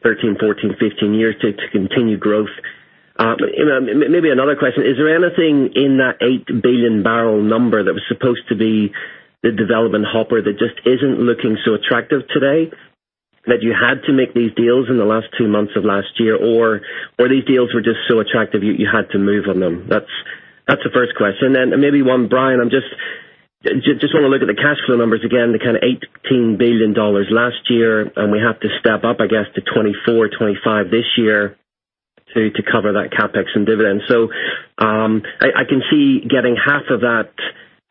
[SPEAKER 7] 13, 14, 15 years to continue growth. Maybe another question. Is there anything in that 8 billion barrel number that was supposed to be the development hopper that just isn't looking so attractive today that you had to make these deals in the last two months of last year? These deals were just so attractive you had to move on them? That's the first question. Maybe one, Brian, I just want to look at the cash flow numbers again, the $18 billion last year. We have to step up, I guess, to $24, $25 this year to cover that CapEx and dividend. I can see getting half of that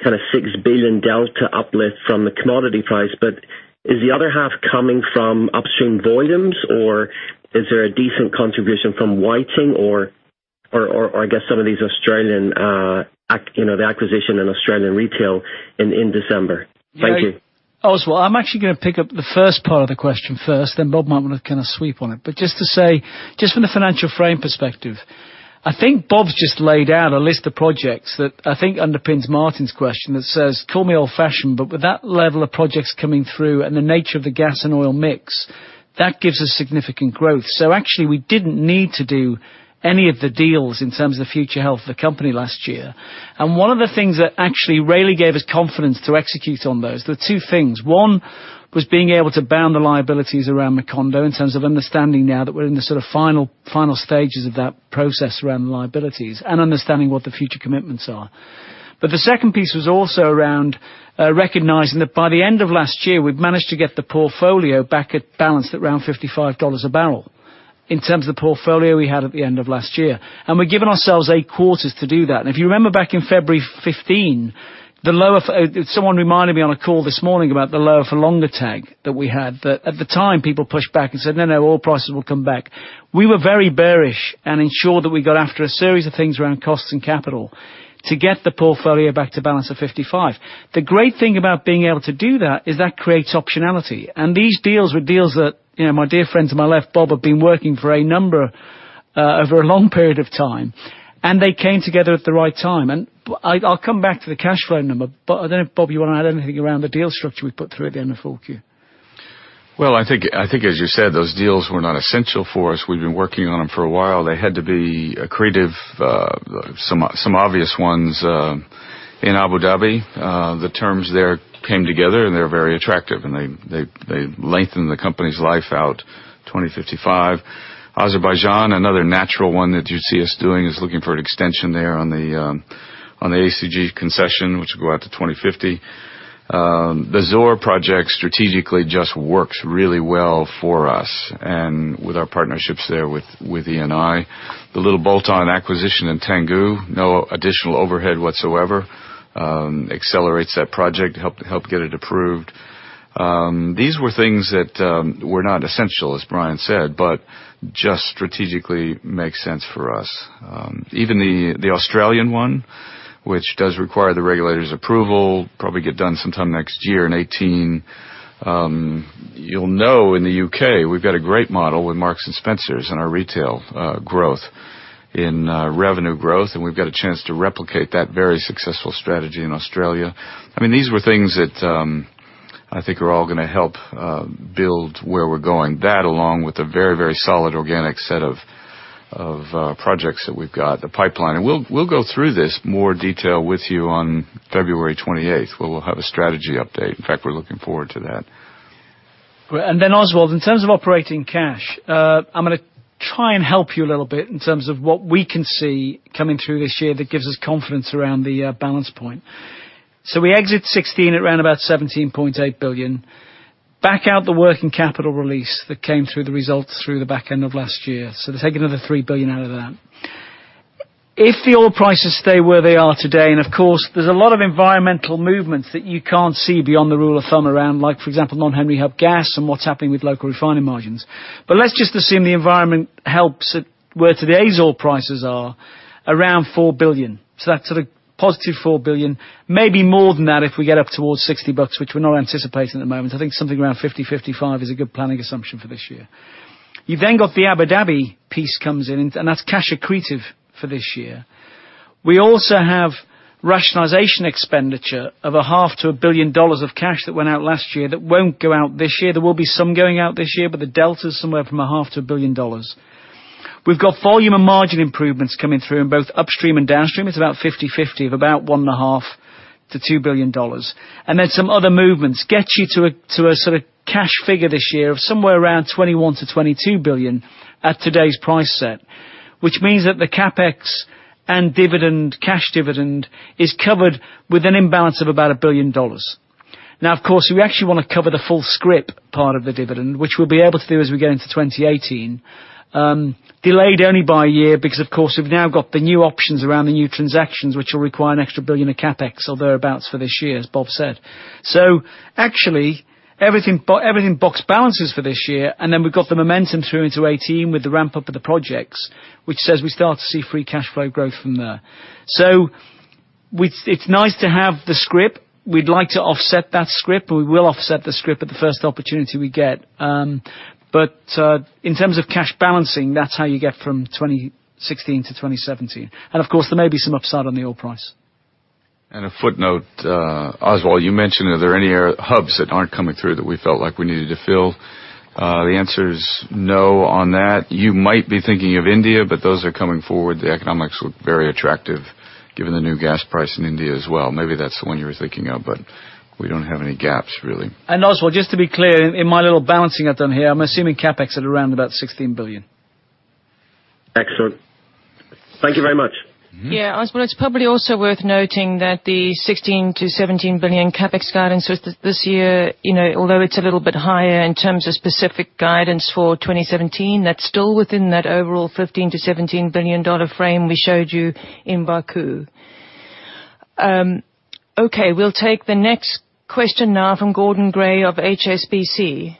[SPEAKER 7] kind of $6 billion delta uplift from the commodity price. Is the other half coming from upstream volumes, is there a decent contribution from Whiting or, I guess, some of these Australian acquisition and Australian retail in December? Thank you.
[SPEAKER 3] Oswald, I'm actually going to pick up the first part of the question first, then Bob might want to kind of sweep on it. Just to say, just from the financial frame perspective, I think Bob's just laid out a list of projects that I think underpins Martijn's question that says, call me old-fashioned, but with that level of projects coming through and the nature of the gas and oil mix, that gives us significant growth. Actually, we didn't need to do any of the deals in terms of the future health of the company last year. One of the things that actually really gave us confidence to execute on those, there are two things. One was being able to bound the liabilities around Macondo in terms of understanding now that we're in the sort of final stages of that process around the liabilities and understanding what the future commitments are. The second piece was also around recognizing that by the end of last year, we've managed to get the portfolio back at balance at around $55 a barrel in terms of the portfolio we had at the end of last year. We've given ourselves eight quarters to do that. If you remember back in February 2015, someone reminded me on a call this morning about the lower for longer tag that we had. That at the time, people pushed back and said, "No, no, oil prices will come back." We were very bearish and ensured that we got after a series of things around costs and capital to get the portfolio back to balance of $55. The great thing about being able to do that is that creates optionality. These deals were deals that my dear friends on my left, Bob, have been working for a number over a long period of time, and they came together at the right time. I'll come back to the cash flow number, but I don't know if, Bob, you want to add anything around the deal structure we put through at the end of 4Q.
[SPEAKER 2] Well, I think as you said, those deals were not essential for us. We've been working on them for a while. They had to be creative. Some obvious ones in Abu Dhabi. The terms there came together, and they're very attractive, and they lengthen the company's life out to 2055. Azerbaijan, another natural one that you'd see us doing, is looking for an extension there on the ACG concession, which will go out to 2050. The Zohr project strategically just works really well for us and with our partnerships there with Eni. The little bolt-on acquisition in Tangguh, no additional overhead whatsoever, accelerates that project, helped get it approved. These were things that were not essential, as Brian said, but just strategically makes sense for us. Even the Australian one, which does require the regulator's approval, probably get done sometime next year in 2018. You'll know, in the U.K., we've got a great model with Marks & Spencer in our retail growth, in revenue growth, and we've got a chance to replicate that very successful strategy in Australia. These were things I think are all going to help build where we're going. That along with a very solid organic set of projects that we've got the pipeline. We'll go through this in more detail with you on February 28th, where we'll have a strategy update. In fact, we're looking forward to that.
[SPEAKER 3] Great. Oswald, in terms of operating cash, I'm going to try and help you a little bit in terms of what we can see coming through this year that gives us confidence around the balance point. We exit 2016 at around about $17.8 billion, back out the working capital release that came through the results through the back end of last year. Take another $3 billion out of that. If the oil prices stay where they are today, and of course, there's a lot of environmental movements that you can't see beyond the rule of thumb around like, for example, non-Henry Hub gas and what's happening with local refining margins. Let's just assume the environment helps where today's oil prices are, around $4 billion. That sort of positive $4 billion, maybe more than that if we get up towards $60, which we're not anticipating at the moment. I think something around $50, $55 is a good planning assumption for this year. You've got the Abu Dhabi piece comes in, and that's cash accretive for this year. We also have rationalization expenditure of a half to $1 billion of cash that went out last year that won't go out this year. There will be some going out this year, but the delta is somewhere from a half to $1 billion. We've got volume and margin improvements coming through in both upstream and downstream. It's about 50-50, of about $1.5 billion-$2 billion. Some other movements gets you to a sort of cash figure this year of somewhere around $21 billion-$22 billion at today's price set, which means that the CapEx and cash dividend is covered with a net imbalance of about $1 billion. Now, of course, we actually want to cover the full scrip part of the dividend, which we'll be able to do as we get into 2018. Delayed only by a year because, of course, we've now got the new options around the new transactions, which will require an extra $1 billion of CapEx or thereabouts for this year, as Bob said. Actually, everything box balances for this year, we've got the momentum through into 2018 with the ramp-up of the projects, which says we start to see free cash flow growth from there. It's nice to have the scrip. We'd like to offset that scrip, and we will offset the scrip at the first opportunity we get. In terms of cash balancing, that's how you get from 2016 to 2017. Of course, there may be some upside on the oil price.
[SPEAKER 2] A footnote, Oswald, you mentioned, are there any hubs that aren't coming through that we felt like we needed to fill? The answer is no on that. You might be thinking of India, but those are coming forward. The economics look very attractive given the new gas price in India as well. Maybe that's the one you were thinking of, but we don't have any gaps, really.
[SPEAKER 3] Oswald, just to be clear, in my little balancing I've done here, I'm assuming CapEx at around about $16 billion.
[SPEAKER 7] Excellent. Thank you very much.
[SPEAKER 1] Yeah, Oswald, it's probably also worth noting that the $16 billion-$17 billion CapEx guidance this year, although it's a little bit higher in terms of specific guidance for 2017, that's still within that overall $15 billion-$17 billion frame we showed you in Baku. Okay, we'll take the next question now from Gordon Gray of HSBC.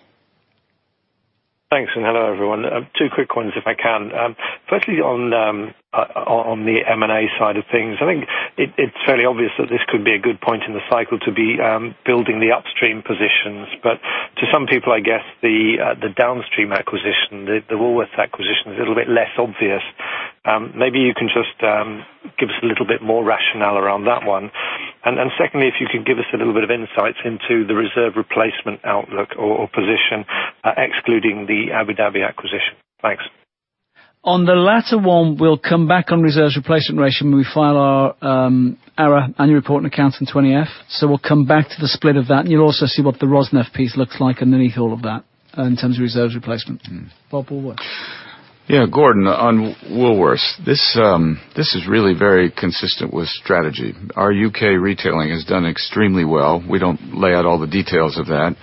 [SPEAKER 8] Thanks, hello, everyone. Two quick ones, if I can. Firstly, on the M&A side of things, I think it's fairly obvious that this could be a good point in the cycle to be building the upstream positions. To some people, I guess the downstream acquisition, the Woolworths acquisition, is a little bit less obvious. Maybe you can just give us a little bit more rationale around that one. Secondly, if you could give us a little bit of insights into the reserve replacement outlook or position, excluding the Abu Dhabi acquisition. Thanks.
[SPEAKER 3] On the latter one, we'll come back on reserves replacement ratio when we file our annual report and accounts in 20F. We'll come back to the split of that, and you'll also see what the Rosneft piece looks like underneath all of that in terms of reserves replacement. Bob or what?
[SPEAKER 2] Yeah, Gordon, on Woolworths. This is really very consistent with strategy. Our U.K. retailing has done extremely well. We don't lay out all the details of that,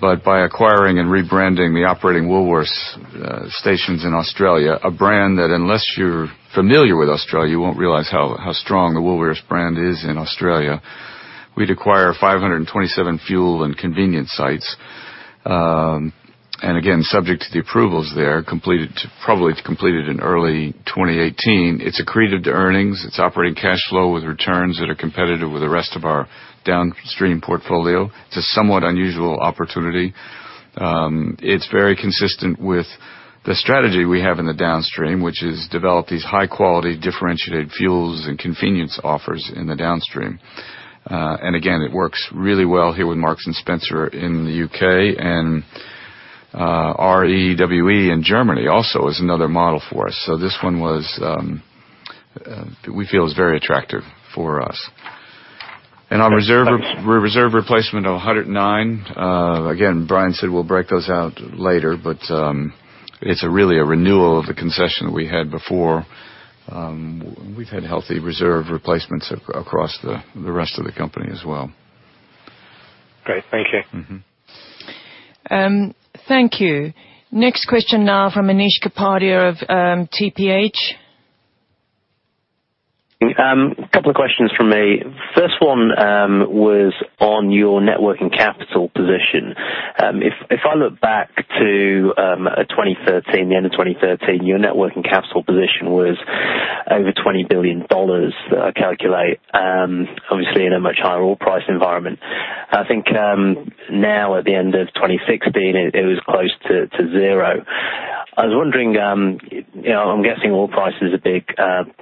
[SPEAKER 2] but by acquiring and rebranding the operating Woolworths stations in Australia, a brand that unless you're familiar with Australia, you won't realize how strong the Woolworths brand is in Australia. We'd acquire 527 fuel and convenience sites. Again, subject to the approvals there, probably completed in early 2018. It's accretive to earnings. It's operating cash flow with returns that are competitive with the rest of our downstream portfolio. It's a somewhat unusual opportunity. It's very consistent with the strategy we have in the downstream, which is develop these high-quality differentiated fuels and convenience offers in the downstream. Again, it works really well here with Marks & Spencer in the U.K. and REWE in Germany also is another model for us. This one we feel is very attractive for us. Our reserve replacement of 109, again, Brian said we'll break those out later, but it's really a renewal of the concession that we had before. We've had healthy reserve replacements across the rest of the company as well.
[SPEAKER 8] Great. Thank you.
[SPEAKER 1] Thank you. Next question now from Anish Kapadia of TPH.
[SPEAKER 9] Couple of questions from me. First one was on your net working capital position. If I look back to the end of 2013, your net working capital position was over $20 billion that I calculate, obviously in a much higher oil price environment. I think now at the end of 2016, it was close to zero. I was wondering, I'm guessing oil price is a big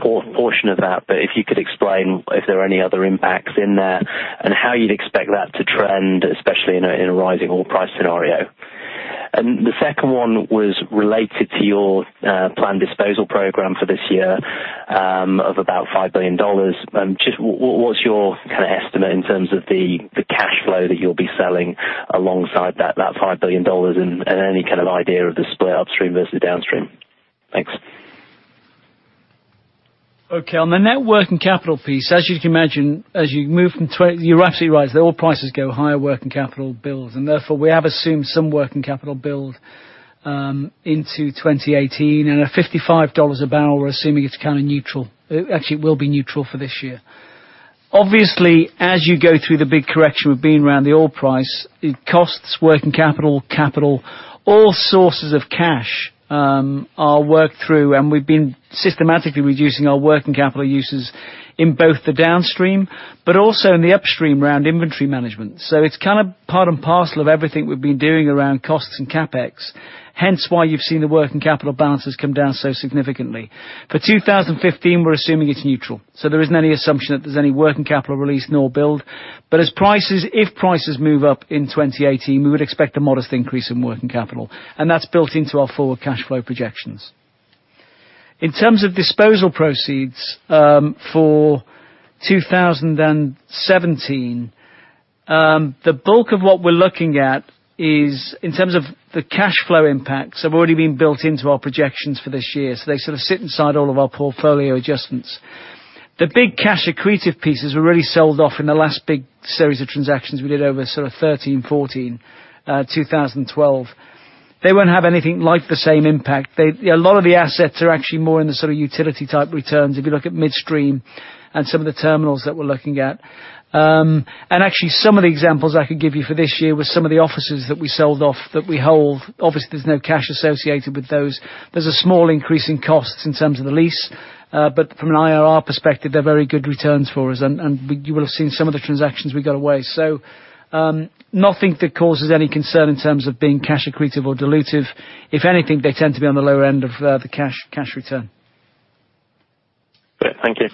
[SPEAKER 9] portion of that, but if you could explain if there are any other impacts in there and how you'd expect that to trend, especially in a rising oil price scenario. The second one was related to your planned disposal program for this year of about $5 billion. Just what's your estimate in terms of the cash flow that you'll be selling alongside that $5 billion and any kind of idea of the split upstream versus downstream? Thanks.
[SPEAKER 3] Okay. On the net working capital piece, as you can imagine, you're absolutely right, as the oil prices go higher, working capital builds. Therefore, we have assumed some working capital build into 2018. At $55 a barrel, we're assuming it's kind of neutral. Actually, it will be neutral for this year. Obviously, as you go through the big correction we've been around the oil price, it costs working capital. All sources of cash are worked through, and we've been systematically reducing our working capital uses in both the downstream, but also in the upstream around inventory management. It's kind of part and parcel of everything we've been doing around costs and CapEx, hence why you've seen the working capital balances come down so significantly. For 2015, we're assuming it's neutral. There isn't any assumption that there's any working capital release nor build. If prices move up in 2018, we would expect a modest increase in working capital. That's built into our forward cash flow projections. In terms of disposal proceeds for 2017, the bulk of what we're looking at is, in terms of the cash flow impacts, have already been built into our projections for this year. They sort of sit inside all of our portfolio adjustments. The big cash accretive pieces were really sold off in the last big series of transactions we did over sort of 2013, 2014, 2012. They won't have anything like the same impact. A lot of the assets are actually more in the sort of utility type returns if you look at midstream and some of the terminals that we're looking at. Actually, some of the examples I could give you for this year were some of the offices that we sold off that we hold. Obviously, there's no cash associated with those. There's a small increase in costs in terms of the lease. From an IRR perspective, they're very good returns for us. You will have seen some of the transactions we got away. Nothing that causes any concern in terms of being cash accretive or dilutive. If anything, they tend to be on the lower end of the cash return.
[SPEAKER 9] Great. Thank you.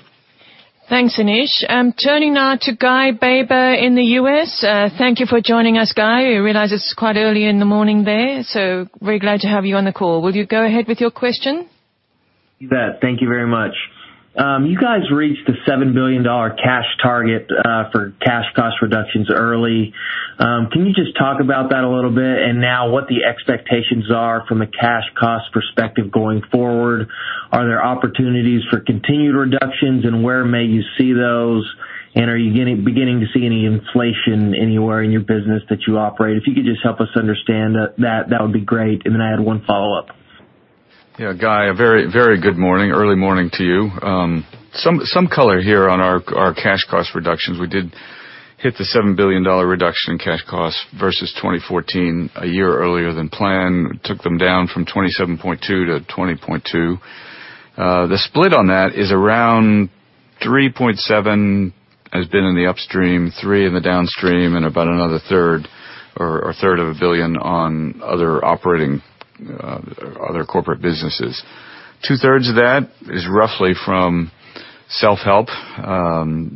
[SPEAKER 1] Thanks, Anish. Turning now to Guy Baber in the U.S. Thank you for joining us, Guy. I realize it's quite early in the morning there, so we're glad to have you on the call. Will you go ahead with your question?
[SPEAKER 10] You bet. Thank you very much. You guys reached the $7 billion cash target for cash cost reductions early. Can you just talk about that a little bit and now what the expectations are from a cash cost perspective going forward? Are there opportunities for continued reductions, and where may you see those? Are you beginning to see any inflation anywhere in your business that you operate? If you could just help us understand that would be great. I had one follow-up.
[SPEAKER 2] Yeah, Guy, a very good morning, early morning to you. Some color here on our cash cost reductions. We did hit the $7 billion reduction in cash costs versus 2014 a year earlier than planned. Took them down from 27.2 to 20.2. The split on that is around 3.7 has been in the upstream, three in the downstream, and about another third or a third of a billion on other corporate businesses. Two-thirds of that is roughly from self-help,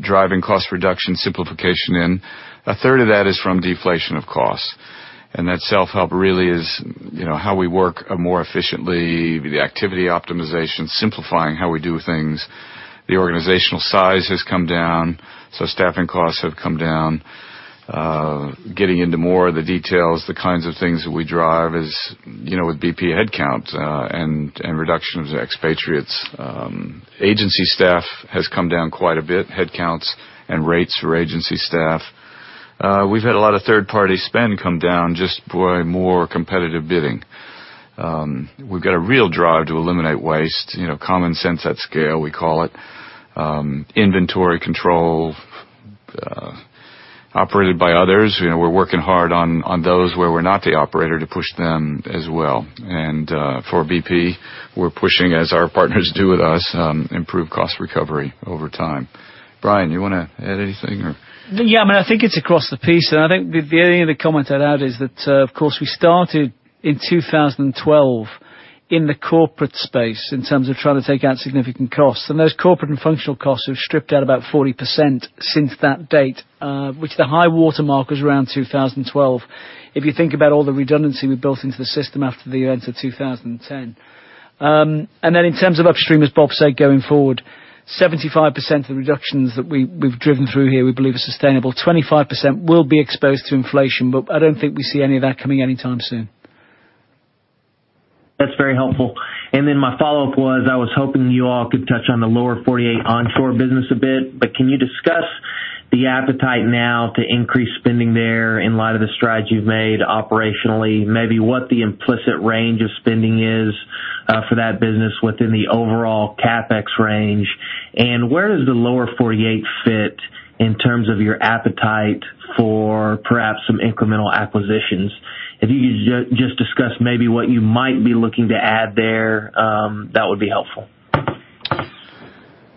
[SPEAKER 2] driving cost reduction, simplification in. A third of that is from deflation of costs. That self-help really is how we work more efficiently, the activity optimization, simplifying how we do things. The organizational size has come down. Staffing costs have come down. Getting into more of the details, the kinds of things that we drive is with BP headcounts and reduction of the expatriates. Agency staff has come down quite a bit, headcounts and rates for agency staff. We've had a lot of third-party spend come down just by more competitive bidding. We've got a real drive to eliminate waste, common sense at scale, we call it. Inventory control operated by others. We're working hard on those where we're not the operator to push them as well. For BP, we're pushing, as our partners do with us, improved cost recovery over time. Brian, you want to add anything or?
[SPEAKER 3] Yeah. I think it's across the piece. I think the only other comment I'd add is that, of course, we started in 2012 in the corporate space in terms of trying to take out significant costs. Those corporate and functional costs have stripped out about 40% since that date, which the high-water mark was around 2012. If you think about all the redundancy we built into the system after the events of 2010. Then in terms of upstream, as Bob said, going forward, 75% of the reductions that we've driven through here we believe are sustainable. 25% will be exposed to inflation, I don't think we see any of that coming anytime soon.
[SPEAKER 10] That's very helpful. My follow-up was, I was hoping you all could touch on the Lower 48 onshore business a bit. Can you discuss the appetite now to increase spending there in light of the strides you've made operationally? Maybe what the implicit range of spending is for that business within the overall CapEx range. Where does the Lower 48 fit in terms of your appetite for perhaps some incremental acquisitions? If you could just discuss maybe what you might be looking to add there, that would be helpful.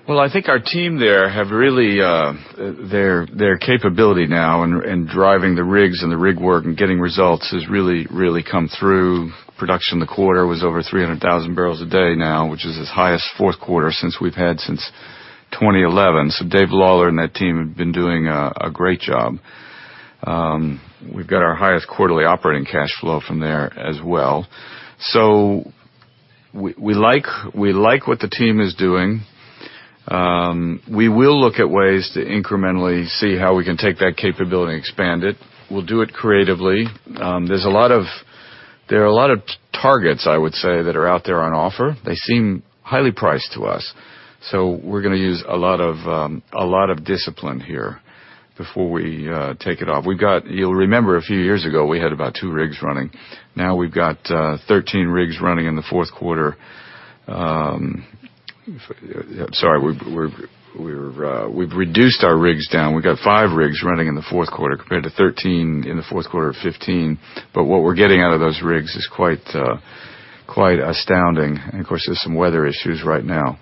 [SPEAKER 2] Well, I think our team there, their capability now in driving the rigs and the rig work and getting results has really come through. Production in the quarter was over 300,000 barrels a day now, which is its highest fourth quarter since we've had since 2011. David Lawler and that team have been doing a great job. We've got our highest quarterly operating cash flow from there as well. We like what the team is doing. We will look at ways to incrementally see how we can take that capability and expand it. We'll do it creatively. There are a lot of targets, I would say, that are out there on offer. They seem highly priced to us, we're going to use a lot of discipline here before we take it off. You'll remember a few years ago, we had about two rigs running. Now we've got 13 rigs running in the fourth quarter. I'm sorry, we've reduced our rigs down. We've got five rigs running in the fourth quarter compared to 13 in the fourth quarter of 2015. What we're getting out of those rigs is quite astounding. Of course, there's some weather issues right now.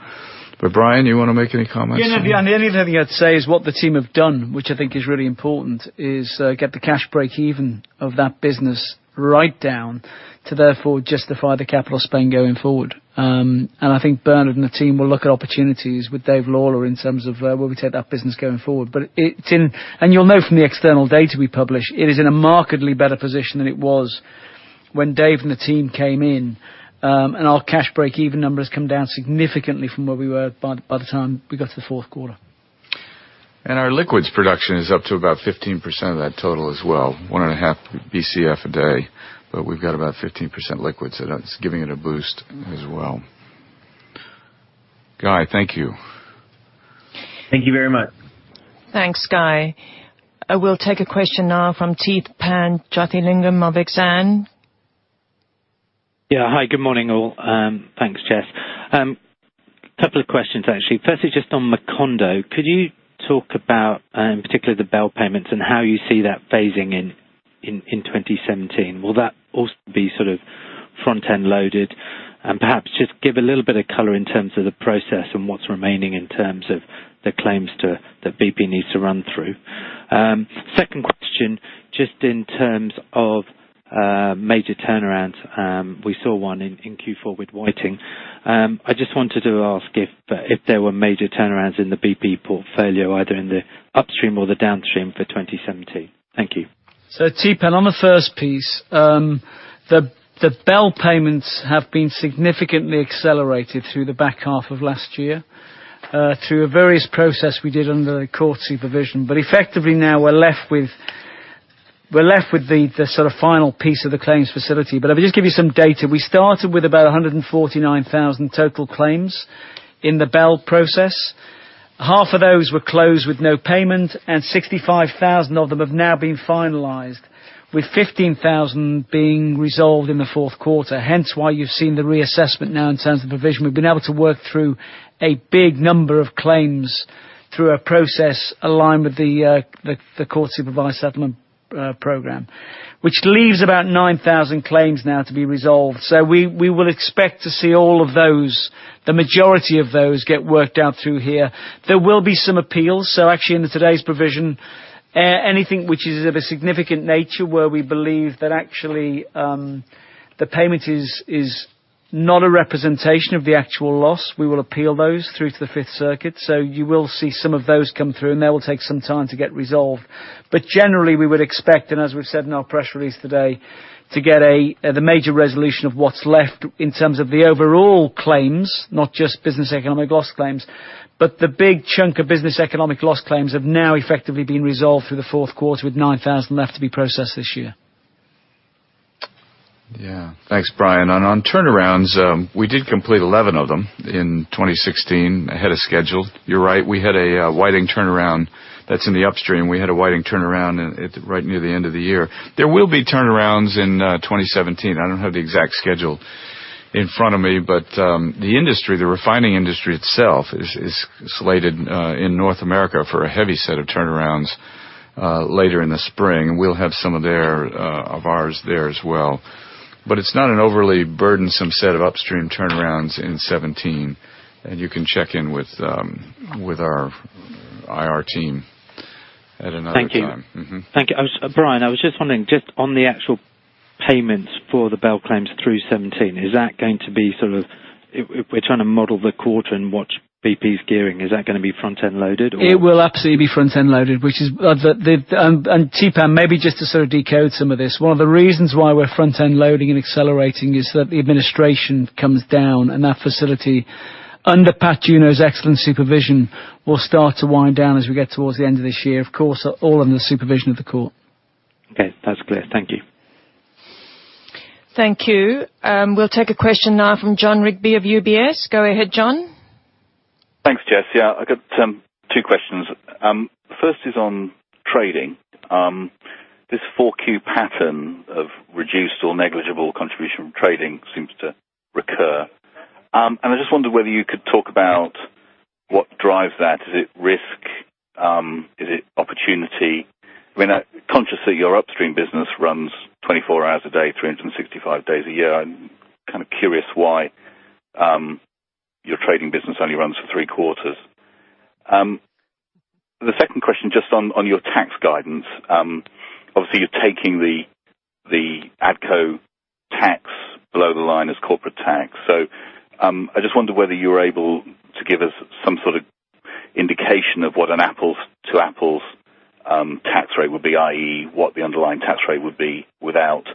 [SPEAKER 2] Brian, you want to make any comments?
[SPEAKER 3] Yeah, no, the only thing I'd say is what the team have done, which I think is really important, is get the cash break-even of that business right down to therefore justify the capital spend going forward. I think Bernard and the team will look at opportunities with Dave Lawler in terms of where we take that business going forward. You'll know from the external data we publish, it is in a markedly better position than it was when Dave and the team came in. Our cash break-even numbers come down significantly from where we were by the time we got to the fourth quarter.
[SPEAKER 2] Our liquids production is up to about 15% of that total as well, one and a half BCF a day, we've got about 15% liquids, that's giving it a boost as well. Guy, thank you.
[SPEAKER 10] Thank you very much.
[SPEAKER 1] Thanks, Guy. I will take a question now from Tapan Vaidya of Exane.
[SPEAKER 11] Hi, good morning, all. Thanks, Jess. Two questions, actually. Firstly, just on Macondo, could you talk about particularly the BEL payments and how you see that phasing in 2017? Will that also be sort of front-end loaded? Perhaps just give a little bit of color in terms of the process and what's remaining in terms of the claims that BP needs to run through. Second question, just in terms of major turnarounds. We saw one in Q4 with Whiting. I just wanted to ask if there were major turnarounds in the BP portfolio, either in the upstream or the downstream for 2017. Thank you.
[SPEAKER 3] Tapan, on the first piece, the BEL payments have been significantly accelerated through the back half of last year, through a various process we did under the Court supervision. Effectively now we're left with the sort of final piece of the claims facility. Let me just give you some data. We started with about 149,000 total claims in the BEL process. Half of those were closed with no payment, and 65,000 of them have now been finalized, with 15,000 being resolved in the fourth quarter. Hence why you've seen the reassessment now in terms of provision. We've been able to work through a big number of claims through a process aligned with the Deepwater Horizon Court-Supervised Settlement Program. Which leaves about 9,000 claims now to be resolved. We will expect to see all of those, the majority of those get worked out through here. There will be some appeals. Actually in today's provision, anything which is of a significant nature where we believe that actually the payment is not a representation of the actual loss, we will appeal those through to the Fifth Circuit. You will see some of those come through, and they will take some time to get resolved. Generally, we would expect, and as we've said in our press release today, to get the major resolution of what's left in terms of the overall claims, not just Business Economic Loss claims, but the big chunk of Business Economic Loss claims have now effectively been resolved through the fourth quarter, with 9,000 left to be processed this year.
[SPEAKER 2] Yeah. Thanks, Brian. On turnarounds, we did complete 11 of them in 2016 ahead of schedule. You're right, we had a Whiting turnaround that's in the upstream. We had a Whiting turnaround right near the end of the year. There will be turnarounds in 2017. I don't have the exact schedule in front of me, but the industry, the refining industry itself, is slated in North America for a heavy set of turnarounds later in the spring. We'll have some of ours there as well. It's not an overly burdensome set of upstream turnarounds in 2017. You can check in with our IR team at another time.
[SPEAKER 11] Thank you. Thank you. Brian, I was just wondering, just on the actual payments for the BEL claims through 2017, is that going to be sort of If we're trying to model the quarter and watch BP's gearing, is that going to be front-end loaded or?
[SPEAKER 3] It will absolutely be front-end loaded. Tapan, maybe just to sort of decode some of this, one of the reasons why we're front-end loading and accelerating is that the administration comes down, and that facility under Patrick Juneau's excellent supervision will start to wind down as we get towards the end of this year. Of course, all under the supervision of the court.
[SPEAKER 11] Okay, that's clear. Thank you.
[SPEAKER 1] Thank you. We'll take a question now from Jon Rigby of UBS. Go ahead, Jon.
[SPEAKER 12] Thanks, Jess. Yeah, I got two questions. First is on trading. This 4Q pattern of reduced or negligible contribution from trading seems to recur. I just wonder whether you could talk about what drives that. Is it risk? Is it opportunity? Consciously, your upstream business runs 24 hours a day, 365 days a year. I'm curious why your trading business only runs for 3 quarters. The second question, just on your tax guidance. Obviously, you're taking the ADCO tax below the line as corporate tax. I just wonder whether you're able to give us some sort of indication of what an apples-to-apples tax rate would be, i.e., what the underlying tax rate would be without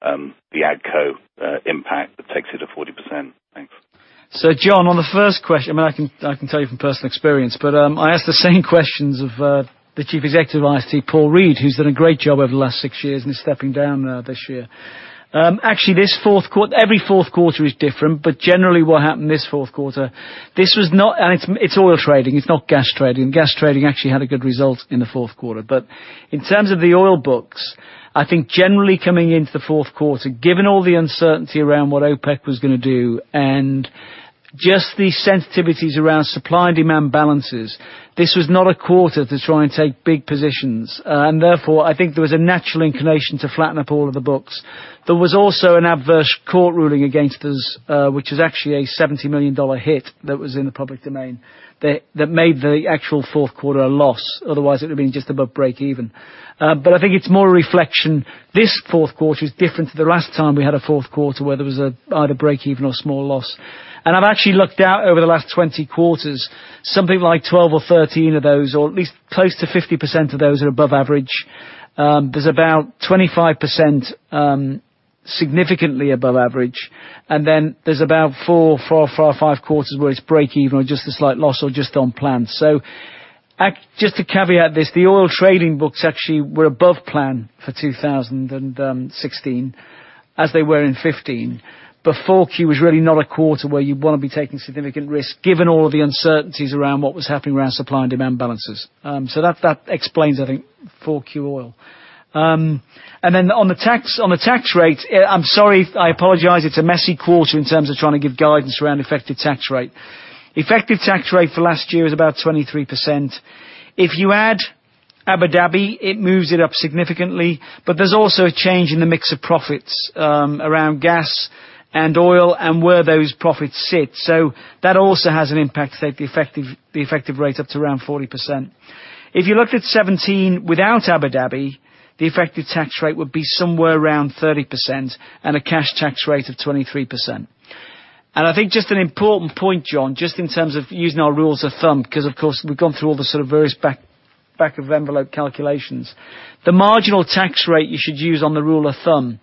[SPEAKER 12] the ADCO impact that takes it to 40%. Thanks.
[SPEAKER 3] Jon, on the first question, I can tell you from personal experience. I asked the same questions of the Chief Executive of IST, Paul Reed, who's done a great job over the last six years and is stepping down this year. Actually, every fourth quarter is different. Generally, what happened this fourth quarter, and it's oil trading, it's not gas trading. Gas trading actually had a good result in the fourth quarter. In terms of the oil books, I think generally coming into the fourth quarter, given all the uncertainty around what OPEC was going to do and just the sensitivities around supply and demand balances, this was not a quarter to try and take big positions. Therefore, I think there was a natural inclination to flatten up all of the books. There was also an adverse court ruling against us, which was actually a $70 million hit that was in the public domain, that made the actual fourth quarter a loss. Otherwise, it would've been just above breakeven. I think it's more a reflection. This fourth quarter is different to the last time we had a fourth quarter where there was either breakeven or small loss. I've actually looked out over the last 20 quarters, something like 12 or 13 of those, or at least close to 50% of those are above average. There's about 25% significantly above average. Then there's about four or five quarters where it's breakeven or just a slight loss or just on plan. Just to caveat this, the oil trading books actually were above plan for 2016, as they were in 2015. 4Q was really not a quarter where you'd want to be taking significant risk, given all of the uncertainties around what was happening around supply and demand balances. That explains, I think, 4Q oil. Then on the tax rate, I'm sorry, I apologize, it's a messy quarter in terms of trying to give guidance around effective tax rate. Effective tax rate for last year is about 23%. If you add Abu Dhabi, it moves it up significantly, but there's also a change in the mix of profits around gas and oil and where those profits sit. That also has an impact to take the effective rate up to around 40%. If you looked at 2017 without Abu Dhabi, the effective tax rate would be somewhere around 30% and a cash tax rate of 23%. I think just an important point, Jon, just in terms of using our rules of thumb. Because of course, we've gone through all the sort of various back-of-envelope calculations. The marginal tax rate you should use on the rule of thumb,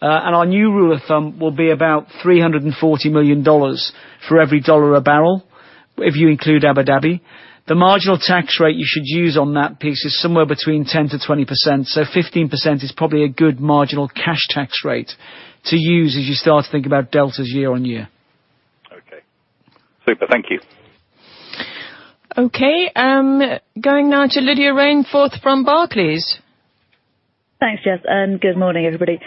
[SPEAKER 3] and our new rule of thumb will be about $340 million for every dollar a barrel, if you include Abu Dhabi. The marginal tax rate you should use on that piece is somewhere between 10%-20%. 15% is probably a good marginal cash tax rate to use as you start to think about deltas year on year.
[SPEAKER 12] Okay. Super. Thank you.
[SPEAKER 1] Okay. Going now to Lydia Rainforth from Barclays.
[SPEAKER 13] Thanks, Jess, and good morning, everybody.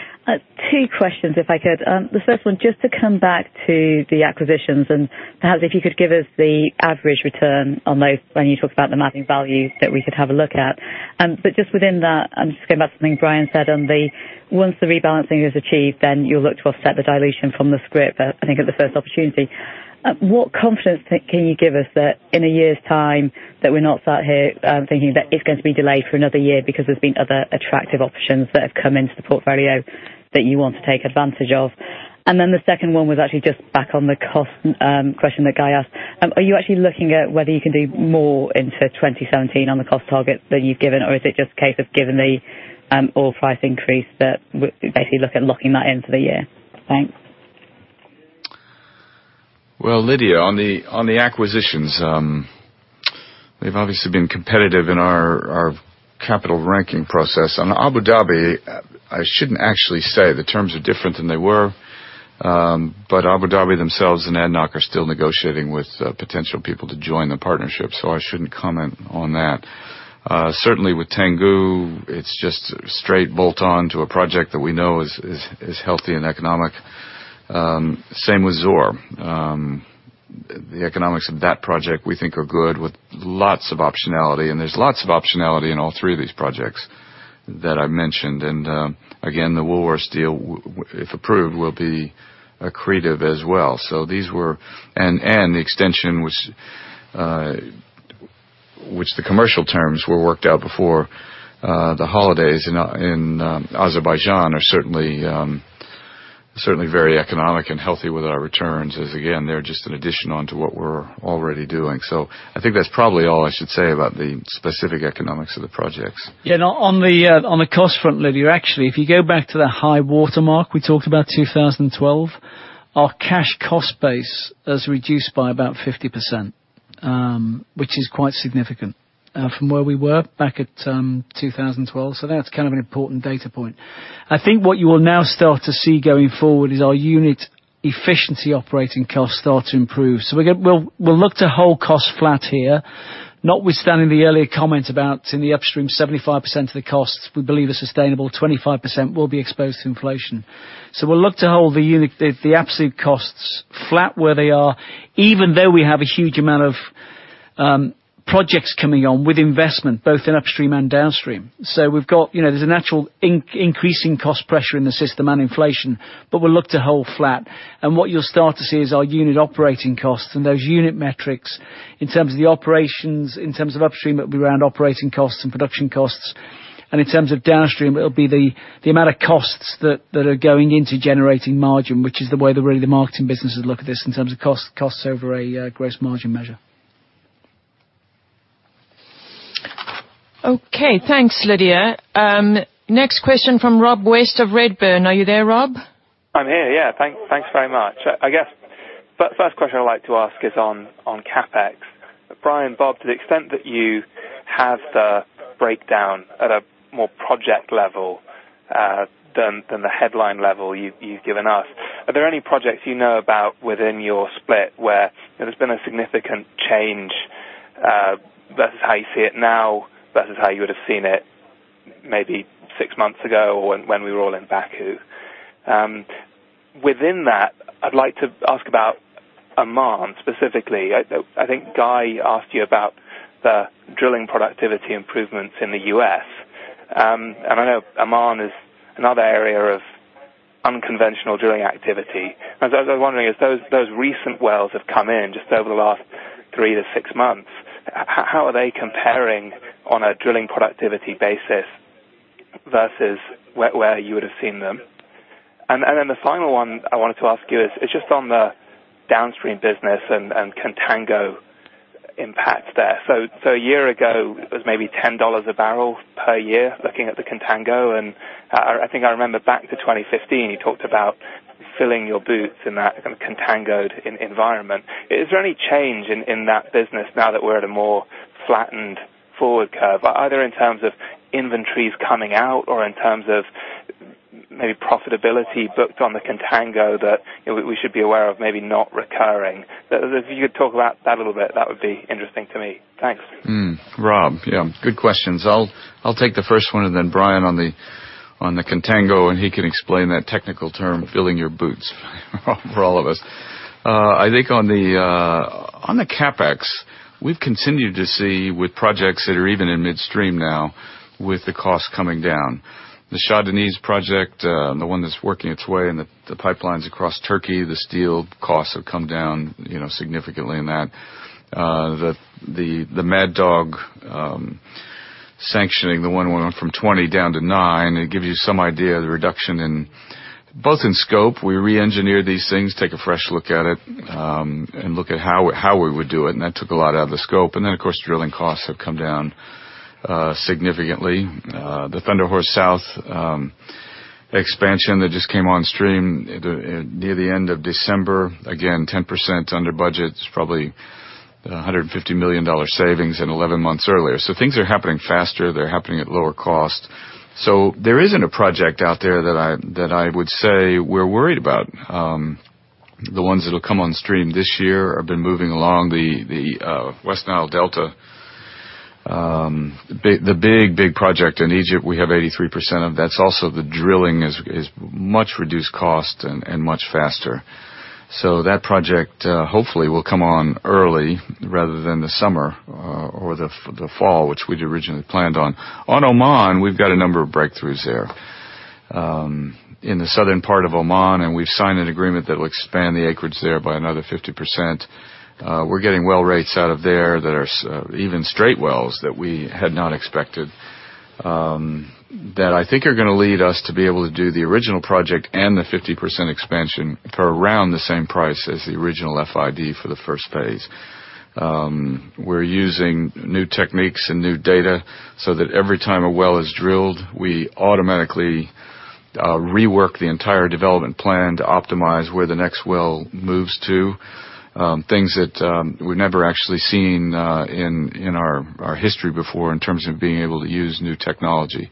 [SPEAKER 13] Two questions, if I could. The first one, just to come back to the acquisitions and perhaps if you could give us the average return on those when you talk about the mapping values that we could have a look at. Just within that, just going back to something Brian said on once the rebalancing is achieved, you'll look to offset the dilution from the scrip, I think at the first opportunity. What confidence can you give us that in a year's time, that we're not sat here thinking that it's going to be delayed for another year because there's been other attractive options that have come into the portfolio that you want to take advantage of? The second one was actually just back on the cost question that Guy asked. Are you actually looking at whether you can do more into 2017 on the cost targets that you've given, or is it just a case of giving the oil price increase that we're basically looking at locking that in for the year? Thanks.
[SPEAKER 2] Well, Lydia, on the acquisitions, they've obviously been competitive in our capital ranking process. On Abu Dhabi, I shouldn't actually say the terms are different than they were. Abu Dhabi themselves and ADNOC are still negotiating with potential people to join the partnership, I shouldn't comment on that. Certainly with Tangguh, it's just straight bolt on to a project that we know is healthy and economic. Same with Zohr. The economics of that project we think are good with lots of optionality, and there's lots of optionality in all three of these projects that I mentioned. Again, the Woolworths deal, if approved, will be accretive as well. The extension which the commercial terms were worked out before the holidays in Azerbaijan are certainly very economic and healthy with our returns, as again, they're just an addition onto what we're already doing. I think that's probably all I should say about the specific economics of the projects.
[SPEAKER 3] Yeah. On the cost front, Lydia, actually, if you go back to the high watermark we talked about 2012, our cash cost base has reduced by about 50%, which is quite significant from where we were back at 2012. That's kind of an important data point. I think what you will now start to see going forward is our unit efficiency operating costs start to improve. We'll look to hold costs flat here, notwithstanding the earlier comment about in the upstream, 75% of the costs we believe are sustainable, 25% will be exposed to inflation. We'll look to hold the absolute costs flat where they are, even though we have a huge amount of projects coming on with investment both in upstream and downstream. There's a natural increasing cost pressure in the system and inflation, but we'll look to hold flat. What you'll start to see is our unit operating costs and those unit metrics in terms of the operations, in terms of upstream, it will be around operating costs and production costs. In terms of downstream, it'll be the amount of costs that are going into generating margin, which is the way the marketing businesses look at this in terms of costs over a gross margin measure.
[SPEAKER 1] Okay, thanks, Lydia. Next question from Rob West of Redburn. Are you there, Rob?
[SPEAKER 14] I'm here, yeah. Thanks very much. I guess, first question I'd like to ask is on CapEx. Brian, Bob, to the extent that you have the breakdown at a more project level, than the headline level you've given us, are there any projects you know about within your split where there's been a significant change, versus how you see it now, versus how you would've seen it maybe six months ago, or when we were all in Baku? Within that, I'd like to ask about Oman specifically. I think Guy asked you about the drilling productivity improvements in the U.S. I know Oman is another area of unconventional drilling activity. I was wondering, as those recent wells have come in just over the last three to six months, how are they comparing on a drilling productivity basis versus where you would've seen them? The final one I wanted to ask you is just on the downstream business and contango impact there. A year ago, it was maybe $10 a barrel per year looking at the contango, and I think I remember back to 2015, you talked about filling your boots in that contangoed environment. Is there any change in that business now that we're at a more flattened forward curve, either in terms of inventories coming out or in terms of maybe profitability booked on the contango that we should be aware of maybe not recurring? If you could talk about that a little bit, that would be interesting to me. Thanks.
[SPEAKER 2] Rob. Yeah, good questions. I'll take the first one and then Brian on the contango, and he can explain that technical term, filling your boots for all of us. I think on the CapEx, we've continued to see with projects that are even in midstream now with the cost coming down. The Shah Deniz project, the one that's working its way and the pipelines across Turkey, the steel costs have come down significantly in that. The Mad Dog sanctioning, the one went from 20 down to nine. It gives you some idea of the reduction both in scope. We re-engineered these things, take a fresh look at it, and look at how we would do it, and that took a lot out of the scope. Of course, drilling costs have come down significantly. The Thunder Horse South expansion that just came on stream near the end of December, again, 10% under budget, it's probably $150 million savings and 11 months earlier. Things are happening faster. They're happening at lower cost. There isn't a project out there that I would say we're worried about. The ones that'll come on stream this year have been moving along the West Nile Delta. The big project in Egypt, we have 83% of. That's also the drilling is much reduced cost and much faster. That project hopefully will come on early rather than the summer or the fall, which we'd originally planned on. On Oman, we've got a number of breakthroughs there. In the southern part of Oman, and we've signed an agreement that will expand the acreage there by another 50%. We're getting well rates out of there that are even straight wells that we had not expected, that I think are going to lead us to be able to do the original project and the 50% expansion for around the same price as the original FID for the phase 1. We're using new techniques and new data that every time a well is drilled, we automatically rework the entire development plan to optimize where the next well moves to. Things that we've never actually seen in our history before in terms of being able to use new technology.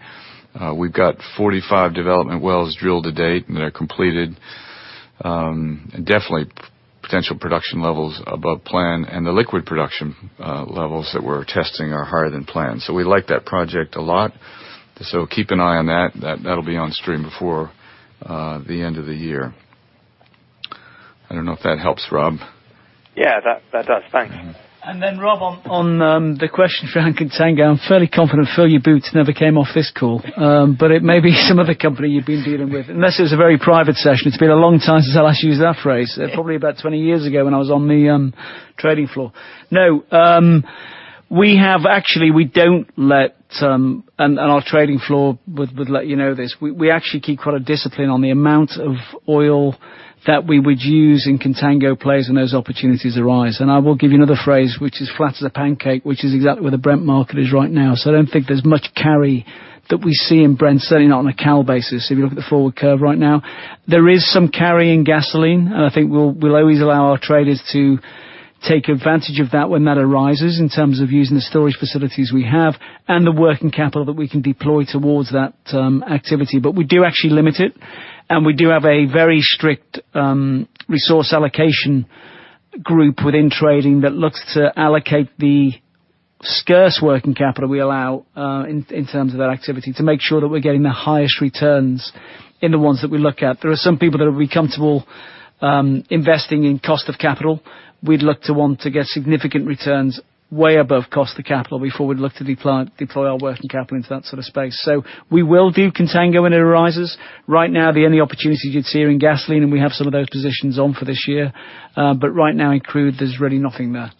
[SPEAKER 2] We've got 45 development wells drilled to date that are completed. Definitely potential production levels above plan, and the liquid production levels that we're testing are higher than planned. We like that project a lot. Keep an eye on that. That'll be on stream before the end of the year. I don't know if that helps, Rob.
[SPEAKER 14] Yeah, that does. Thanks.
[SPEAKER 3] Then Rob, on the question around contango, I'm fairly confident fill your boots never came off this call. It may be some other company you've been dealing with, unless it was a very private session. It's been a long time since I last used that phrase. Probably about 20 years ago when I was on the trading floor. No. Our trading floor would let you know this. We actually keep quite a discipline on the amount of oil that we would use in contango plays when those opportunities arise. I will give you another phrase, which is flat as a pancake, which is exactly where the Brent market is right now. I don't think there's much carry that we see in Brent, certainly not on a cal basis if you look at the forward curve right now. There is some carry in gasoline, I think we'll always allow our traders to take advantage of that when that arises in terms of using the storage facilities we have and the working capital that we can deploy towards that activity. We do actually limit it, we do have a very strict resource allocation group within trading that looks to allocate the scarce working capital we allow in terms of our activity to make sure that we're getting the highest returns in the ones that we look at. There are some people that would be comfortable investing in cost of capital. We'd look to want to get significant returns way above cost of capital before we'd look to deploy our working capital into that sort of space. We will do contango when it arises. Right now, the only opportunity you'd see are in gasoline, we have some of those positions on for this year. Right now in crude, there's really nothing there.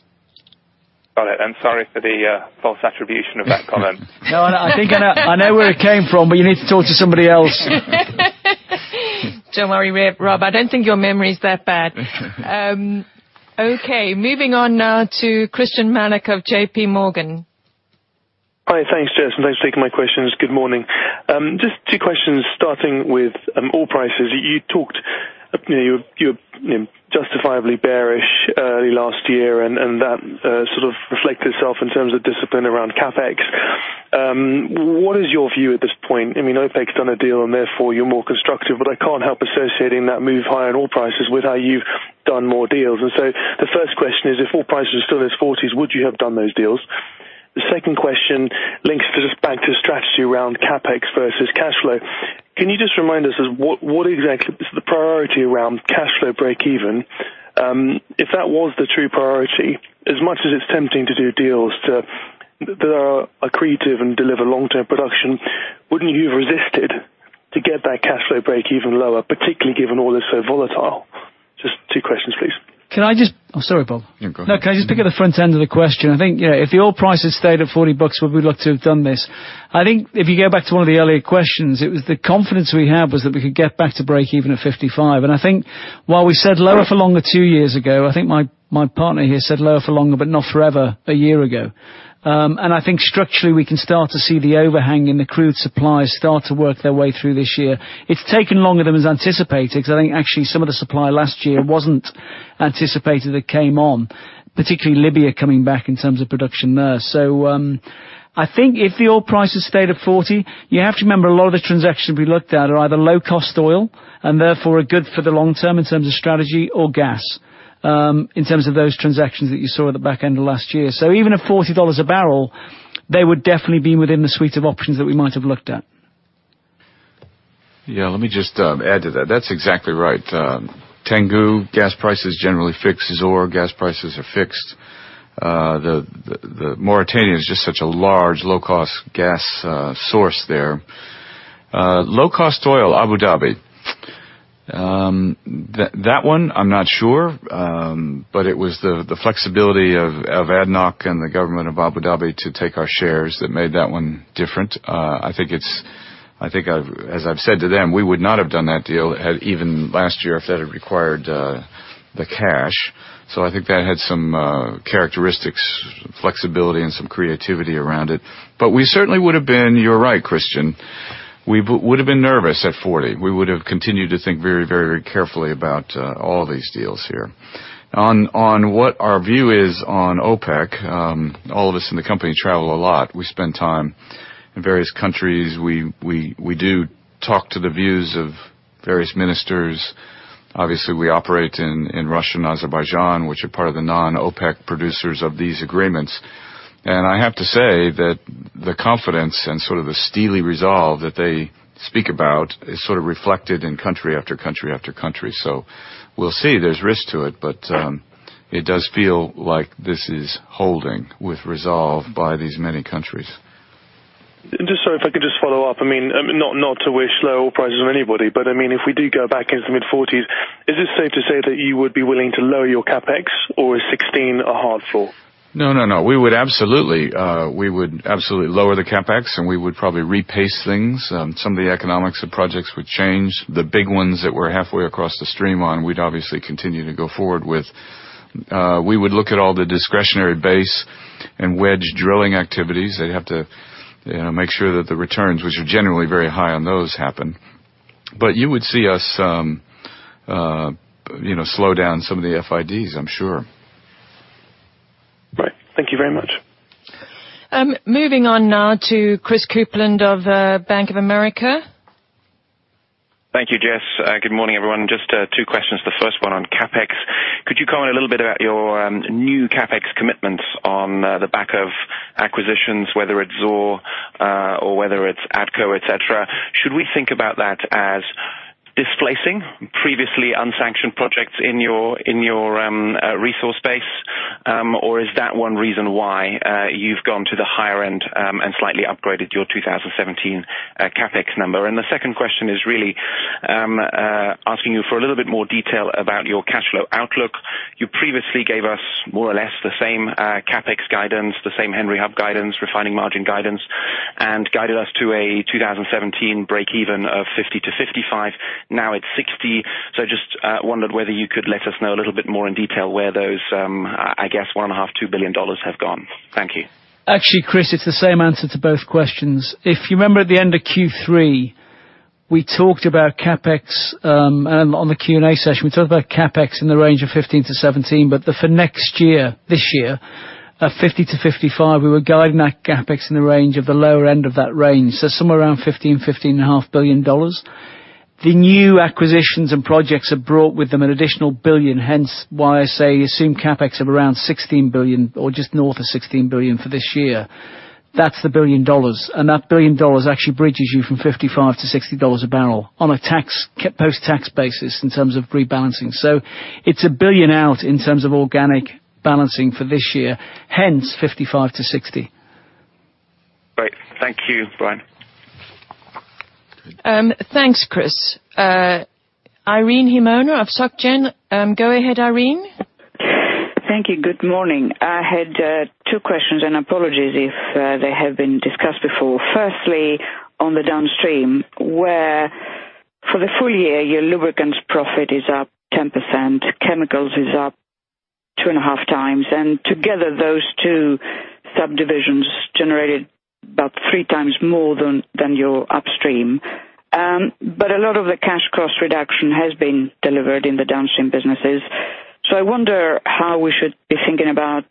[SPEAKER 14] Got it. I'm sorry for the false attribution of that comment.
[SPEAKER 3] I think I know where it came from, you need to talk to somebody else.
[SPEAKER 1] Don't worry, Rob, I don't think your memory is that bad. Okay, moving on now to Christyan Malek of J.P. Morgan.
[SPEAKER 15] Hi. Thanks, Jess, and thanks for taking my questions. Good morning. Just two questions starting with oil prices. You were justifiably bearish early last year, and that sort of reflected itself in terms of discipline around CapEx. What is your view at this point? I mean, OPEC's done a deal and therefore you're more constructive, but I can't help associating that move higher on oil prices with how you've done more deals. The first question is, if oil prices are still in their 40s, would you have done those deals? The second question links to just back to strategy around CapEx versus cash flow. Can you just remind us, what exactly is the priority around cash flow breakeven? If that was the true priority, as much as it's tempting to do deals that are accretive and deliver long-term production, wouldn't you have resisted to get that cash flow breakeven lower, particularly given oil is so volatile? Just two questions, please.
[SPEAKER 3] Can I just Oh, sorry, Bob.
[SPEAKER 2] Go ahead.
[SPEAKER 3] Can I just pick up the front end of the question? I think if the oil prices stayed at $40, would we look to have done this? I think if you go back to one of the earlier questions, it was the confidence we have was that we could get back to breakeven at $55. I think while we said lower for longer two years ago, I think my partner here said lower for longer, but not forever a year ago. I think structurally, we can start to see the overhang in the crude supplies start to work their way through this year. It's taken longer than was anticipated because I think actually some of the supply last year wasn't anticipated that came on, particularly Libya coming back in terms of production there. I think if the oil prices stayed at $40, you have to remember a lot of the transactions we looked at are either low-cost oil, and therefore are good for the long term in terms of strategy or gas, in terms of those transactions that you saw at the back end of last year. Even at $40 a barrel, they would definitely be within the suite of options that we might have looked at.
[SPEAKER 2] Let me just add to that. That's exactly right. Tangguh gas prices generally fix. Zohr gas prices are fixed. Mauritania is just such a large, low-cost gas source there. Low-cost oil, Abu Dhabi. That one, I'm not sure. It was the flexibility of ADNOC and the government of Abu Dhabi to take our shares that made that one different. I think as I've said to them, we would not have done that deal even last year if that had required the cash. I think that had some characteristics, flexibility, and some creativity around it. We certainly would have been, you're right, Christyan, we would have been nervous at $40. We would have continued to think very carefully about all these deals here. On what our view is on OPEC, all of us in the company travel a lot. We spend time in various countries. We do talk to the views of various ministers. Obviously, we operate in Russia and Azerbaijan, which are part of the non-OPEC producers of these agreements. I have to say that the confidence and sort of the steely resolve that they speak about is sort of reflected in country after country. We'll see. There's risk to it, but it does feel like this is holding with resolve by these many countries.
[SPEAKER 15] Just so if I could just follow up. Not to wish low oil prices on anybody, but if we do go back into the mid-40s, is it safe to say that you would be willing to lower your CapEx, or is 16 a hard floor?
[SPEAKER 2] No, no. We would absolutely lower the CapEx, and we would probably repace things. Some of the economics of projects would change. The big ones that we're halfway across the stream on, we'd obviously continue to go forward with. We would look at all the discretionary base and wedge drilling activities. They'd have to make sure that the returns, which are generally very high on those, happen. You would see us slow down some of the FIDs, I'm sure.
[SPEAKER 15] Right. Thank you very much.
[SPEAKER 1] Moving on now to Christopher Kuplent of Bank of America.
[SPEAKER 16] Thank you, Jess. Good morning, everyone. Just two questions. The first one on CapEx. Could you comment a little bit about your new CapEx commitments on the back of acquisitions, whether it's Zohr or whether it's ADCO, et cetera? Should we think about that as displacing previously unsanctioned projects in your resource base? Or is that one reason why you've gone to the higher end and slightly upgraded your 2017 CapEx number? The second question is really asking you for a little bit more detail about your cash flow outlook. You previously gave us more or less the same CapEx guidance, the same Henry Hub guidance, refining margin guidance, and guided us to a 2017 breakeven of $50-$55. Now it's $60. Just wondered whether you could let us know a little bit more in detail where those, I guess, $1.5 billion-$2 billion have gone. Thank you.
[SPEAKER 3] Actually, Chris, it's the same answer to both questions. If you remember at the end of Q3, we talked about CapEx, and on the Q&A session, we talked about CapEx in the range of $15 billion-$17 billion, but for next year, this year, $50-$55, we were guiding that CapEx in the range of the lower end of that range. Somewhere around $15 billion-$15.5 billion. The new acquisitions and projects have brought with them an additional $1 billion, hence why I say assume CapEx of around $16 billion or just north of $16 billion for this year. That's the $1 billion. That $1 billion actually bridges you from $55-$60 a barrel on a post-tax basis in terms of rebalancing. It's a $1 billion out in terms of organic balancing for this year, hence $55-$60.
[SPEAKER 16] Great. Thank you, Brian.
[SPEAKER 1] Thanks, Chris. Irene Himona of Société Générale. Go ahead, Irene.
[SPEAKER 17] Thank you. Good morning. Apologies if they have been discussed before. Firstly, on the downstream, where for the full year, your lubricants profit is up 10%, chemicals is up two and a half times, and together, those two subdivisions generated about three times more than your upstream. A lot of the cash cost reduction has been delivered in the downstream businesses. I wonder how we should be thinking about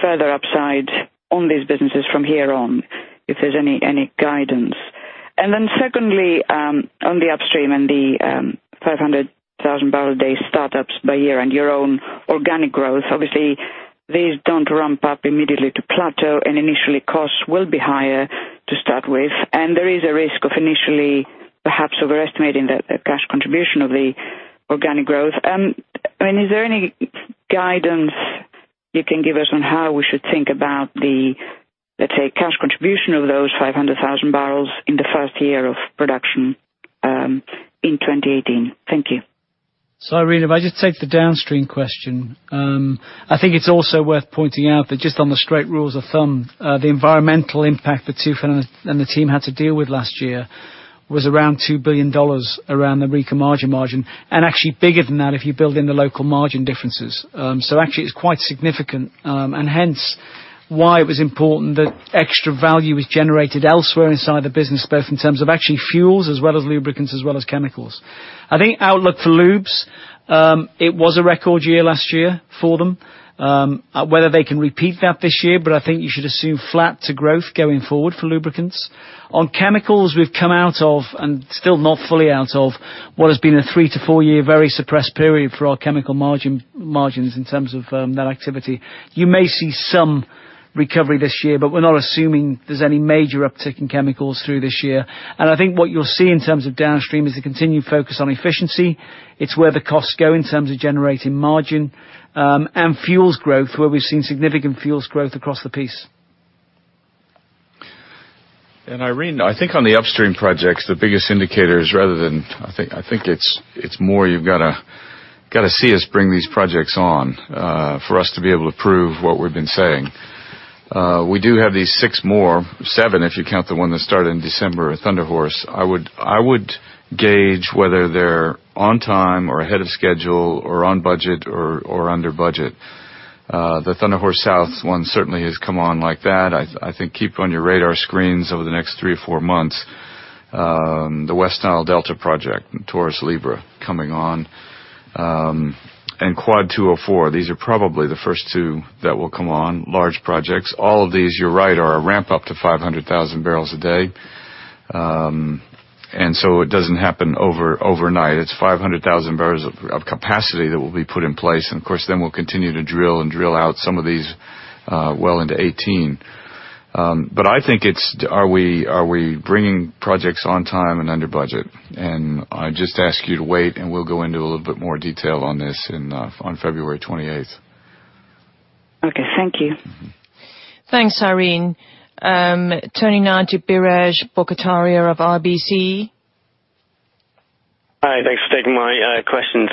[SPEAKER 17] further upside on these businesses from here on, if there's any guidance. Secondly, on the upstream and the 500,000 barrel a day startups by year-end, your own organic growth. Obviously, these don't ramp up immediately to plateau, and initially costs will be higher to start with. There is a risk of initially perhaps overestimating the cash contribution of the organic growth. Is there any guidance you can give us on how we should think about the, let's say, cash contribution of those 500,000 barrels in the first year of production, in 2018? Thank you.
[SPEAKER 3] Irene, if I just take the downstream question. I think it's also worth pointing out that just on the straight rules of thumb, the environmental impact that Tufan and the team had to deal with last year was around $2 billion around the RMM margin, actually bigger than that if you build in the local margin differences. Actually, it's quite significant, and hence, why it was important that extra value is generated elsewhere inside the business, both in terms of actually fuels as well as lubricants as well as chemicals. I think outlook for lubes, it was a record year last year for them. Whether they can repeat that this year, I think you should assume flat to growth going forward for lubricants. On chemicals, we've come out of, and still not fully out of, what has been a three to four-year very suppressed period for our chemical margins in terms of that activity. You may see some recovery this year, but we're not assuming there's any major uptick in chemicals through this year. I think what you'll see in terms of downstream is the continued focus on efficiency. It's where the costs go in terms of generating margin, and fuels growth, where we've seen significant fuels growth across the piece.
[SPEAKER 2] Irene, I think on the upstream projects, the biggest indicators, rather than I think it's more you've got to see us bring these projects on for us to be able to prove what we've been saying. We do have these six more, seven if you count the one that started in December, Thunder Horse. I would gauge whether they're on time or ahead of schedule or on budget or under budget. The Thunder Horse South one certainly has come on like that. I think keep on your radar screens over the next three or four months. The West Nile Delta project, Taurus-Libra, coming on, and Quad 204. These are probably the first two that will come on, large projects. All of these, you're right, are a ramp up to 500,000 barrels a day. It doesn't happen overnight. It's 500,000 barrels of capacity that will be put in place. Of course, then we'll continue to drill and drill out some of these well into 2018. I think it's are we bringing projects on time and under budget? I just ask you to wait, and we'll go into a little bit more detail on this on February 28th.
[SPEAKER 17] Okay. Thank you.
[SPEAKER 1] Thanks, Irene. Turning now to Biraj Borkhataria of RBC.
[SPEAKER 18] Hi, thanks for taking my questions.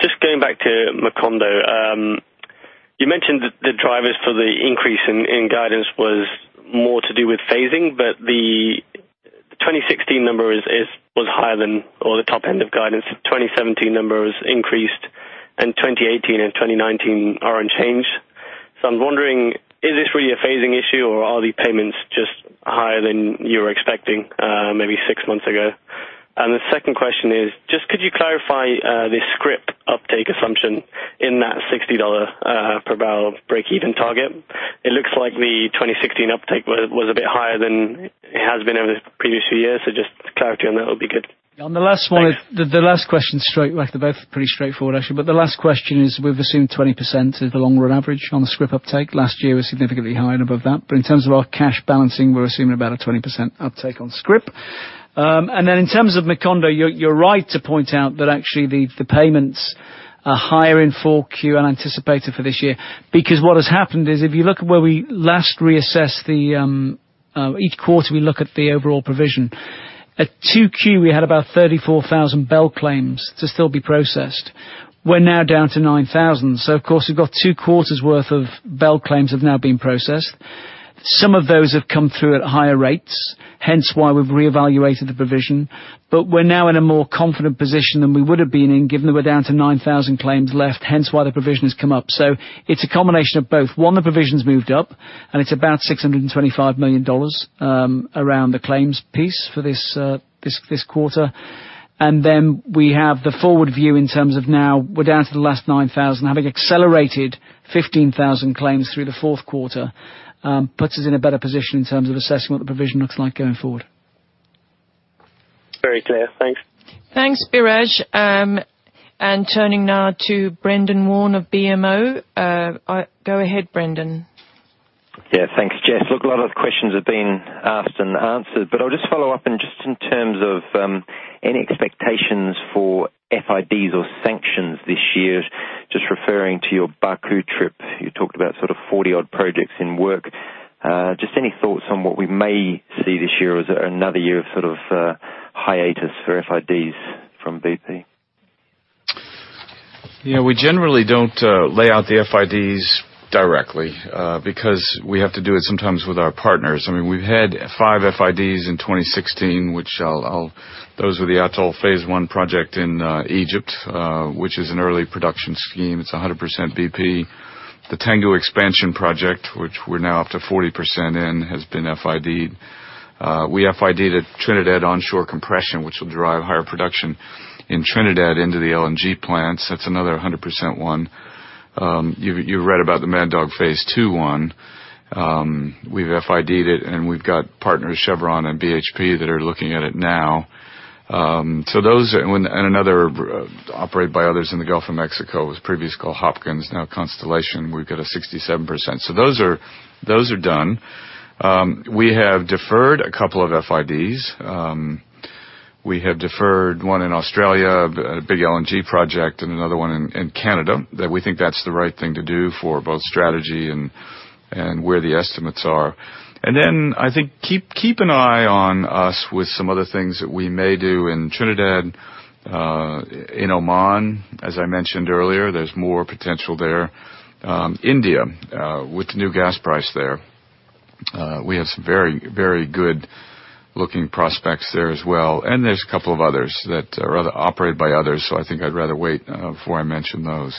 [SPEAKER 18] Just going back to Macondo. You mentioned that the drivers for the increase in guidance was more to do with phasing, but the 2016 number was higher than or the top end of guidance. The 2017 numbers increased and 2018 and 2019 are unchanged. I'm wondering, is this really a phasing issue or are the payments just higher than you were expecting maybe six months ago? The second question is, just could you clarify the scrip uptake assumption in that $60 per barrel breakeven target? It looks like the 2016 uptake was a bit higher than it has been over the previous few years. Just clarity on that would be good.
[SPEAKER 3] On the last one, the last question, they're both pretty straightforward, actually. The last question is, we've assumed 20% is the long run average on the scrip uptake. Last year was significantly higher and above that. In terms of our cash balancing, we're assuming about a 20% uptake on scrip. In terms of Macondo, you're right to point out that actually the payments are higher in 4Q than anticipated for this year. What has happened is if you look at where we last reassessed, each quarter, we look at the overall provision. At 2Q, we had about 34,000 BEL claims to still be processed. We're now down to 9,000. Of course, we've got two quarters worth of BEL claims have now been processed. Some of those have come through at higher rates, hence why we've reevaluated the provision. We're now in a more confident position than we would have been in, given that we're down to 9,000 claims left, hence why the provision has come up. It's a combination of both. One, the provision's moved up, and it's about $625 million around the claims piece for this quarter. We have the forward view in terms of now we're down to the last 9,000, having accelerated 15,000 claims through the fourth quarter, puts us in a better position in terms of assessing what the provision looks like going forward. Very clear. Thanks.
[SPEAKER 1] Thanks, Biraj. Turning now to Brendan Warn of BMO. Go ahead, Brendan.
[SPEAKER 19] Thanks, Jess. A lot of the questions have been asked and answered, I'll just follow up just in terms of any expectations for FIDs or sanctions this year. Referring to your Baku trip, you talked about sort of 40 odd projects in work. Any thoughts on what we may see this year? Is it another year of sort of hiatus for FIDs from BP?
[SPEAKER 2] We generally don't lay out the FIDs directly because we have to do it sometimes with our partners. We've had five FIDs in 2016. Those were the Atoll Phase 1 project in Egypt, which is an early production scheme. It's 100% BP. The Tangguh expansion project, which we're now up to 40% in, has been FID. We FIDed Trinidad onshore compression, which will drive higher production in Trinidad into the LNG plants. That's another 100% one. You've read about the Mad Dog Phase 2 one. We've FIDed it and we've got partners, Chevron and BHP, that are looking at it now. Another operated by others in the Gulf of Mexico. It was previously called Hopkins, now Constellation. We've got a 67%. Those are done. We have deferred a couple of FIDs. We have deferred one in Australia, a big LNG project, another one in Canada, that we think that's the right thing to do for both strategy and where the estimates are. I think keep an eye on us with some other things that we may do in Trinidad. In Oman, as I mentioned earlier, there's more potential there. India, with the new gas price there. We have some very good looking prospects there as well. There's a couple of others that are operated by others, I think I'd rather wait before I mention those.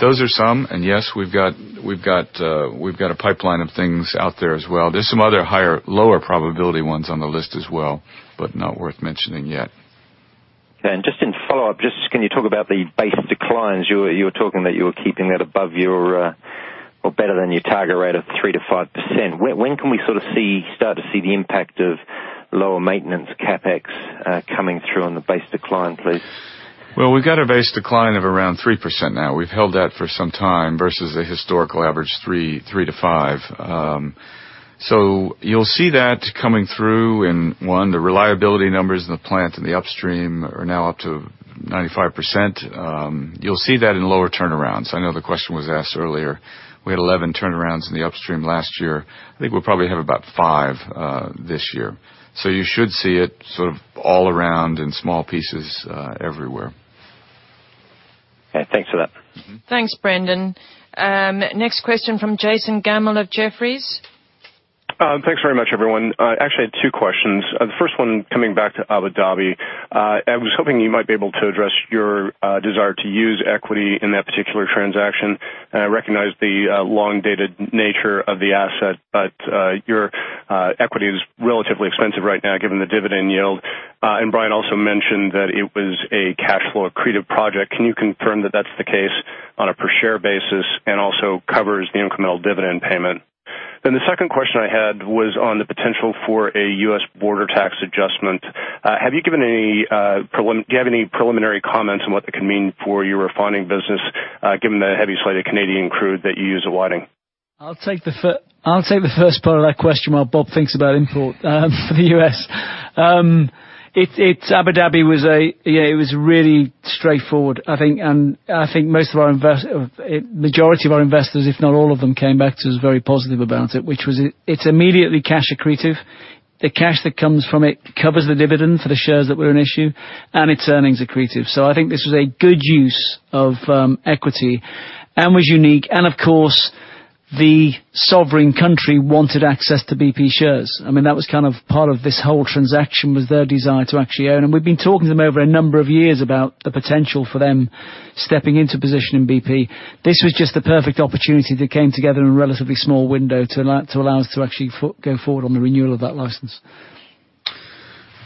[SPEAKER 2] Those are some, yes, we've got a pipeline of things out there as well. There's some other lower probability ones on the list as well, but not worth mentioning yet.
[SPEAKER 19] Just in follow-up, can you talk about the base declines? You were talking that you were keeping that above or better than your target rate of 3%-5%. When can we sort of start to see the impact of lower maintenance CapEx coming through on the base decline, please?
[SPEAKER 2] Well, we've got a base decline of around 3% now. We've held that for some time versus a historical average 3%-5%. You'll see that coming through in, one, the reliability numbers in the plant and the upstream are now up to 95%. You'll see that in lower turnarounds. I know the question was asked earlier. We had 11 turnarounds in the upstream last year. I think we'll probably have about five this year. You should see it sort of all around in small pieces everywhere.
[SPEAKER 19] Okay. Thanks for that.
[SPEAKER 1] Thanks, Brendan. Next question from Jason Gabelman of Jefferies.
[SPEAKER 20] Thanks very much, everyone. I actually had two questions. The first one coming back to Abu Dhabi. I was hoping you might be able to address your desire to use equity in that particular transaction. I recognize the long-dated nature of the asset, but your equity is relatively expensive right now given the dividend yield. Brian also mentioned that it was a cash flow accretive project. Can you confirm that that's the case on a per share basis and also covers the incremental dividend payment? The second question I had was on the potential for a U.S. border tax adjustment. Do you have any preliminary comments on what that could mean for your refining business, given the heavy slate of Canadian crude that you use at Whiting?
[SPEAKER 3] I'll take the first part of that question while Bob thinks about import for the U.S. Abu Dhabi was really straightforward, I think. I think majority of our investors, if not all of them, came back to us very positive about it, which was it's immediately cash accretive. The cash that comes from it covers the dividend for the shares that were in issue, and it's earnings accretive. I think this was a good use of equity and was unique. Of course, the sovereign country wanted access to BP shares. That was kind of part of this whole transaction, was their desire to actually own. We've been talking to them over a number of years about the potential for them stepping into a position in BP. This was just the perfect opportunity that came together in a relatively small window to allow us to actually go forward on the renewal of that license.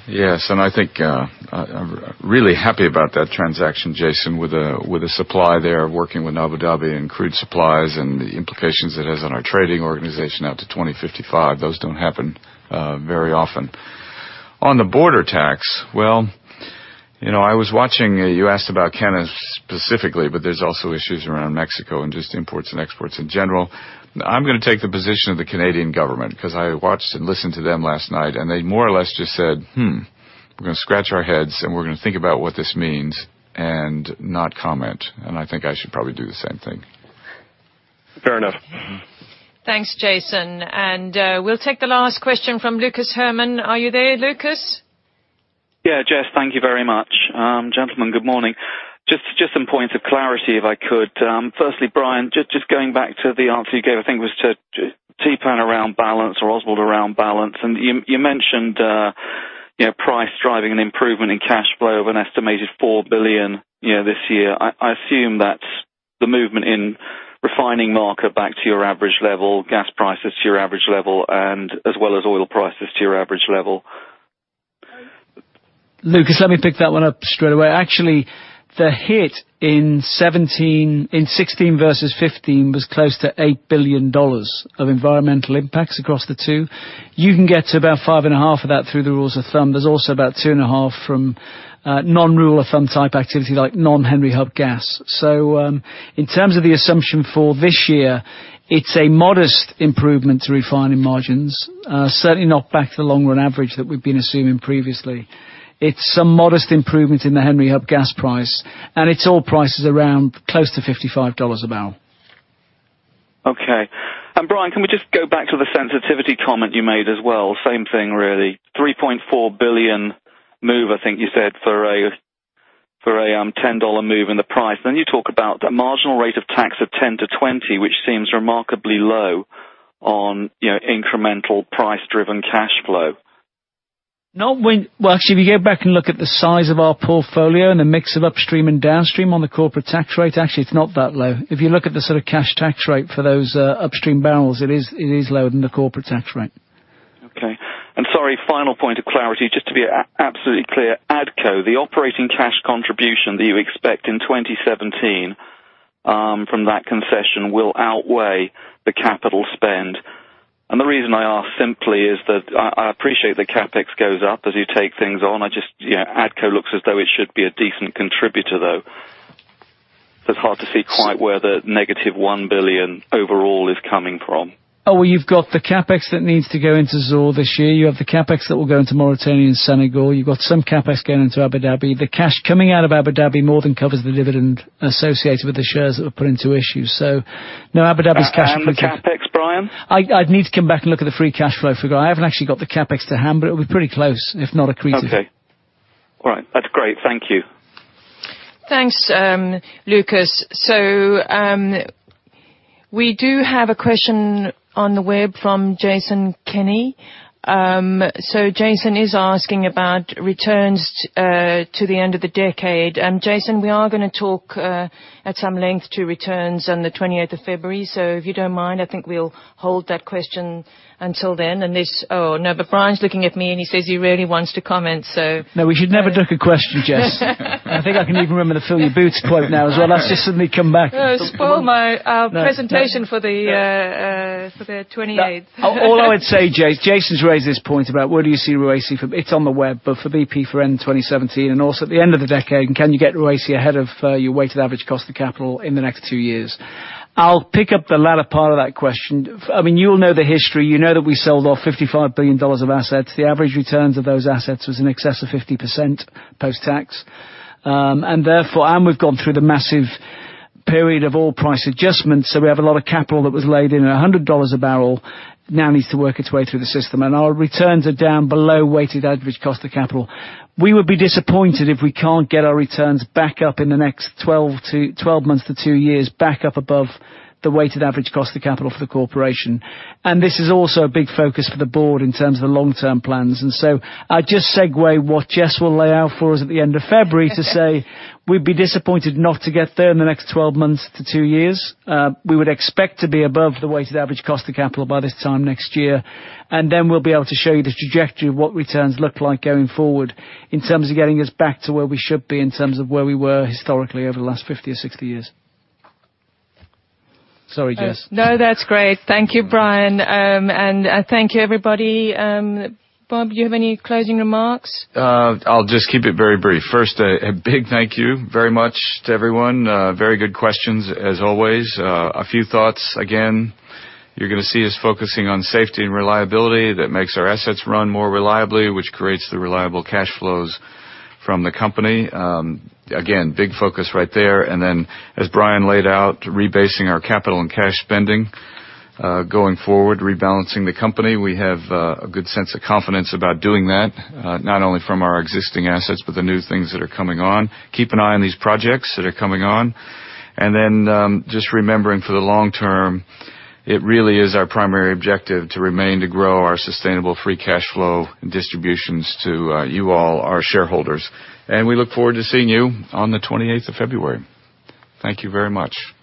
[SPEAKER 2] Yes. I think I'm really happy about that transaction, Jason, with the supply there, working with Abu Dhabi and crude supplies and the implications it has on our trading organization out to 2055. Those don't happen very often. On the border tax. Well, I was watching, you asked about Canada specifically, but there's also issues around Mexico and just imports and exports in general. I'm going to take the position of the Canadian government because I watched and listened to them last night, and they more or less just said, "Hmm, we're going to scratch our heads, and we're going to think about what this means and not comment." I think I should probably do the same thing.
[SPEAKER 20] Fair enough.
[SPEAKER 1] We'll take the last question from Lucas Herrmann. Are you there, Lucas?
[SPEAKER 21] Yeah, Jess. Thank you very much. Gentlemen, good morning. Just some points of clarity, if I could. Firstly, Brian, just going back to the answer you gave, I think it was to Tapan around balance or Oswald around balance, and you mentioned price driving an improvement in cash flow of an estimated $4 billion this year. I assume that's the movement in refining margins back to your average level, gas prices to your average level and as well as oil prices to your average level.
[SPEAKER 3] Lucas, let me pick that one up straight away. Actually. The hit in 2016 versus 2015 was close to $8 billion of environmental impacts across the two. You can get to about $5.5 billion of that through the rules of thumb. There's also about $2.5 billion from non-rule of thumb type activity, like non-Henry Hub gas. In terms of the assumption for this year, it's a modest improvement to refining margins. Certainly not back to the long run average that we've been assuming previously. It's a modest improvement in the Henry Hub gas price, and it's oil price is around close to $55 a barrel.
[SPEAKER 21] Brian, can we just go back to the sensitivity comment you made as well? Same thing, really. $3.4 billion move, I think you said, for a $10 move in the price. You talk about the marginal rate of tax of 10%-20%, which seems remarkably low on incremental price-driven cash flow.
[SPEAKER 3] Well, actually, if you go back and look at the size of our portfolio and the mix of upstream and downstream on the corporate tax rate, actually, it's not that low. If you look at the sort of cash tax rate for those upstream barrels, it is lower than the corporate tax rate.
[SPEAKER 21] Okay. Sorry, final point of clarity, just to be absolutely clear. ADCO, the operating cash contribution that you expect in 2017 from that concession will outweigh the capital spend. The reason I ask simply is that I appreciate that CapEx goes up as you take things on. ADCO looks as though it should be a decent contributor, though. It's hard to see quite where the negative $1 billion overall is coming from.
[SPEAKER 3] Oh, well, you've got the CapEx that needs to go into Zohr this year. You have the CapEx that will go into Mauritania and Senegal. You've got some CapEx going into Abu Dhabi. The cash coming out of Abu Dhabi more than covers the dividend associated with the shares that were put into issue. No, Abu Dhabi's cash-
[SPEAKER 21] the CapEx, Brian?
[SPEAKER 3] I'd need to come back and look at the free cash flow for you. I haven't actually got the CapEx to hand, but it'll be pretty close, if not accretive.
[SPEAKER 21] Okay. All right. That's great. Thank you.
[SPEAKER 1] Thanks, Lucas. We do have a question on the web from Jason Kenney. Jason is asking about returns to the end of the decade. Jason, we are going to talk at some length to returns on the 28th of February. If you don't mind, I think we'll hold that question until then. Oh, no. Brian's looking at me, and he says he really wants to comment.
[SPEAKER 3] No, we should never duck a question, Jess. I think I can even remember the fill your boots quote now as well. That's just suddenly come back.
[SPEAKER 1] You'll spoil my presentation for the 28th.
[SPEAKER 3] All I would say, Jason's raised this point about where do you see ROACE. It's on the web, but for BP for end 2017 and also at the end of the decade, can you get ROACE ahead of your weighted average cost of capital in the next two years? I'll pick up the latter part of that question. You all know the history. You know that we sold off $55 billion of assets. The average returns of those assets was in excess of 50% post-tax. We've gone through the massive period of oil price adjustments. We have a lot of capital that was laid in at $100 a barrel, now needs to work its way through the system. Our returns are down below weighted average cost of capital. We would be disappointed if we can't get our returns back up in the next 12 months to two years, back up above the weighted average cost of capital for the corporation. This is also a big focus for the board in terms of the long-term plans. I just segue what Jess will lay out for us at the end of February to say we'd be disappointed not to get there in the next 12 months to two years. We would expect to be above the weighted average cost of capital by this time next year. We'll be able to show you the trajectory of what returns look like going forward in terms of getting us back to where we should be, in terms of where we were historically over the last 50 or 60 years. Sorry, Jess.
[SPEAKER 1] No, that's great. Thank you, Brian. Thank you, everybody. Bob, do you have any closing remarks?
[SPEAKER 2] I'll just keep it very brief. First, a big thank you very much to everyone. Very good questions as always. A few thoughts. Again, you're going to see us focusing on safety and reliability that makes our assets run more reliably, which creates the reliable cash flows from the company. Again, big focus right there. As Brian laid out, rebasing our capital and cash spending. Going forward, rebalancing the company. We have a good sense of confidence about doing that, not only from our existing assets, but the new things that are coming on. Keep an eye on these projects that are coming on. Just remembering for the long term, it really is our primary objective to remain to grow our sustainable free cash flow distributions to you all, our shareholders. We look forward to seeing you on the 28th of February. Thank you very much.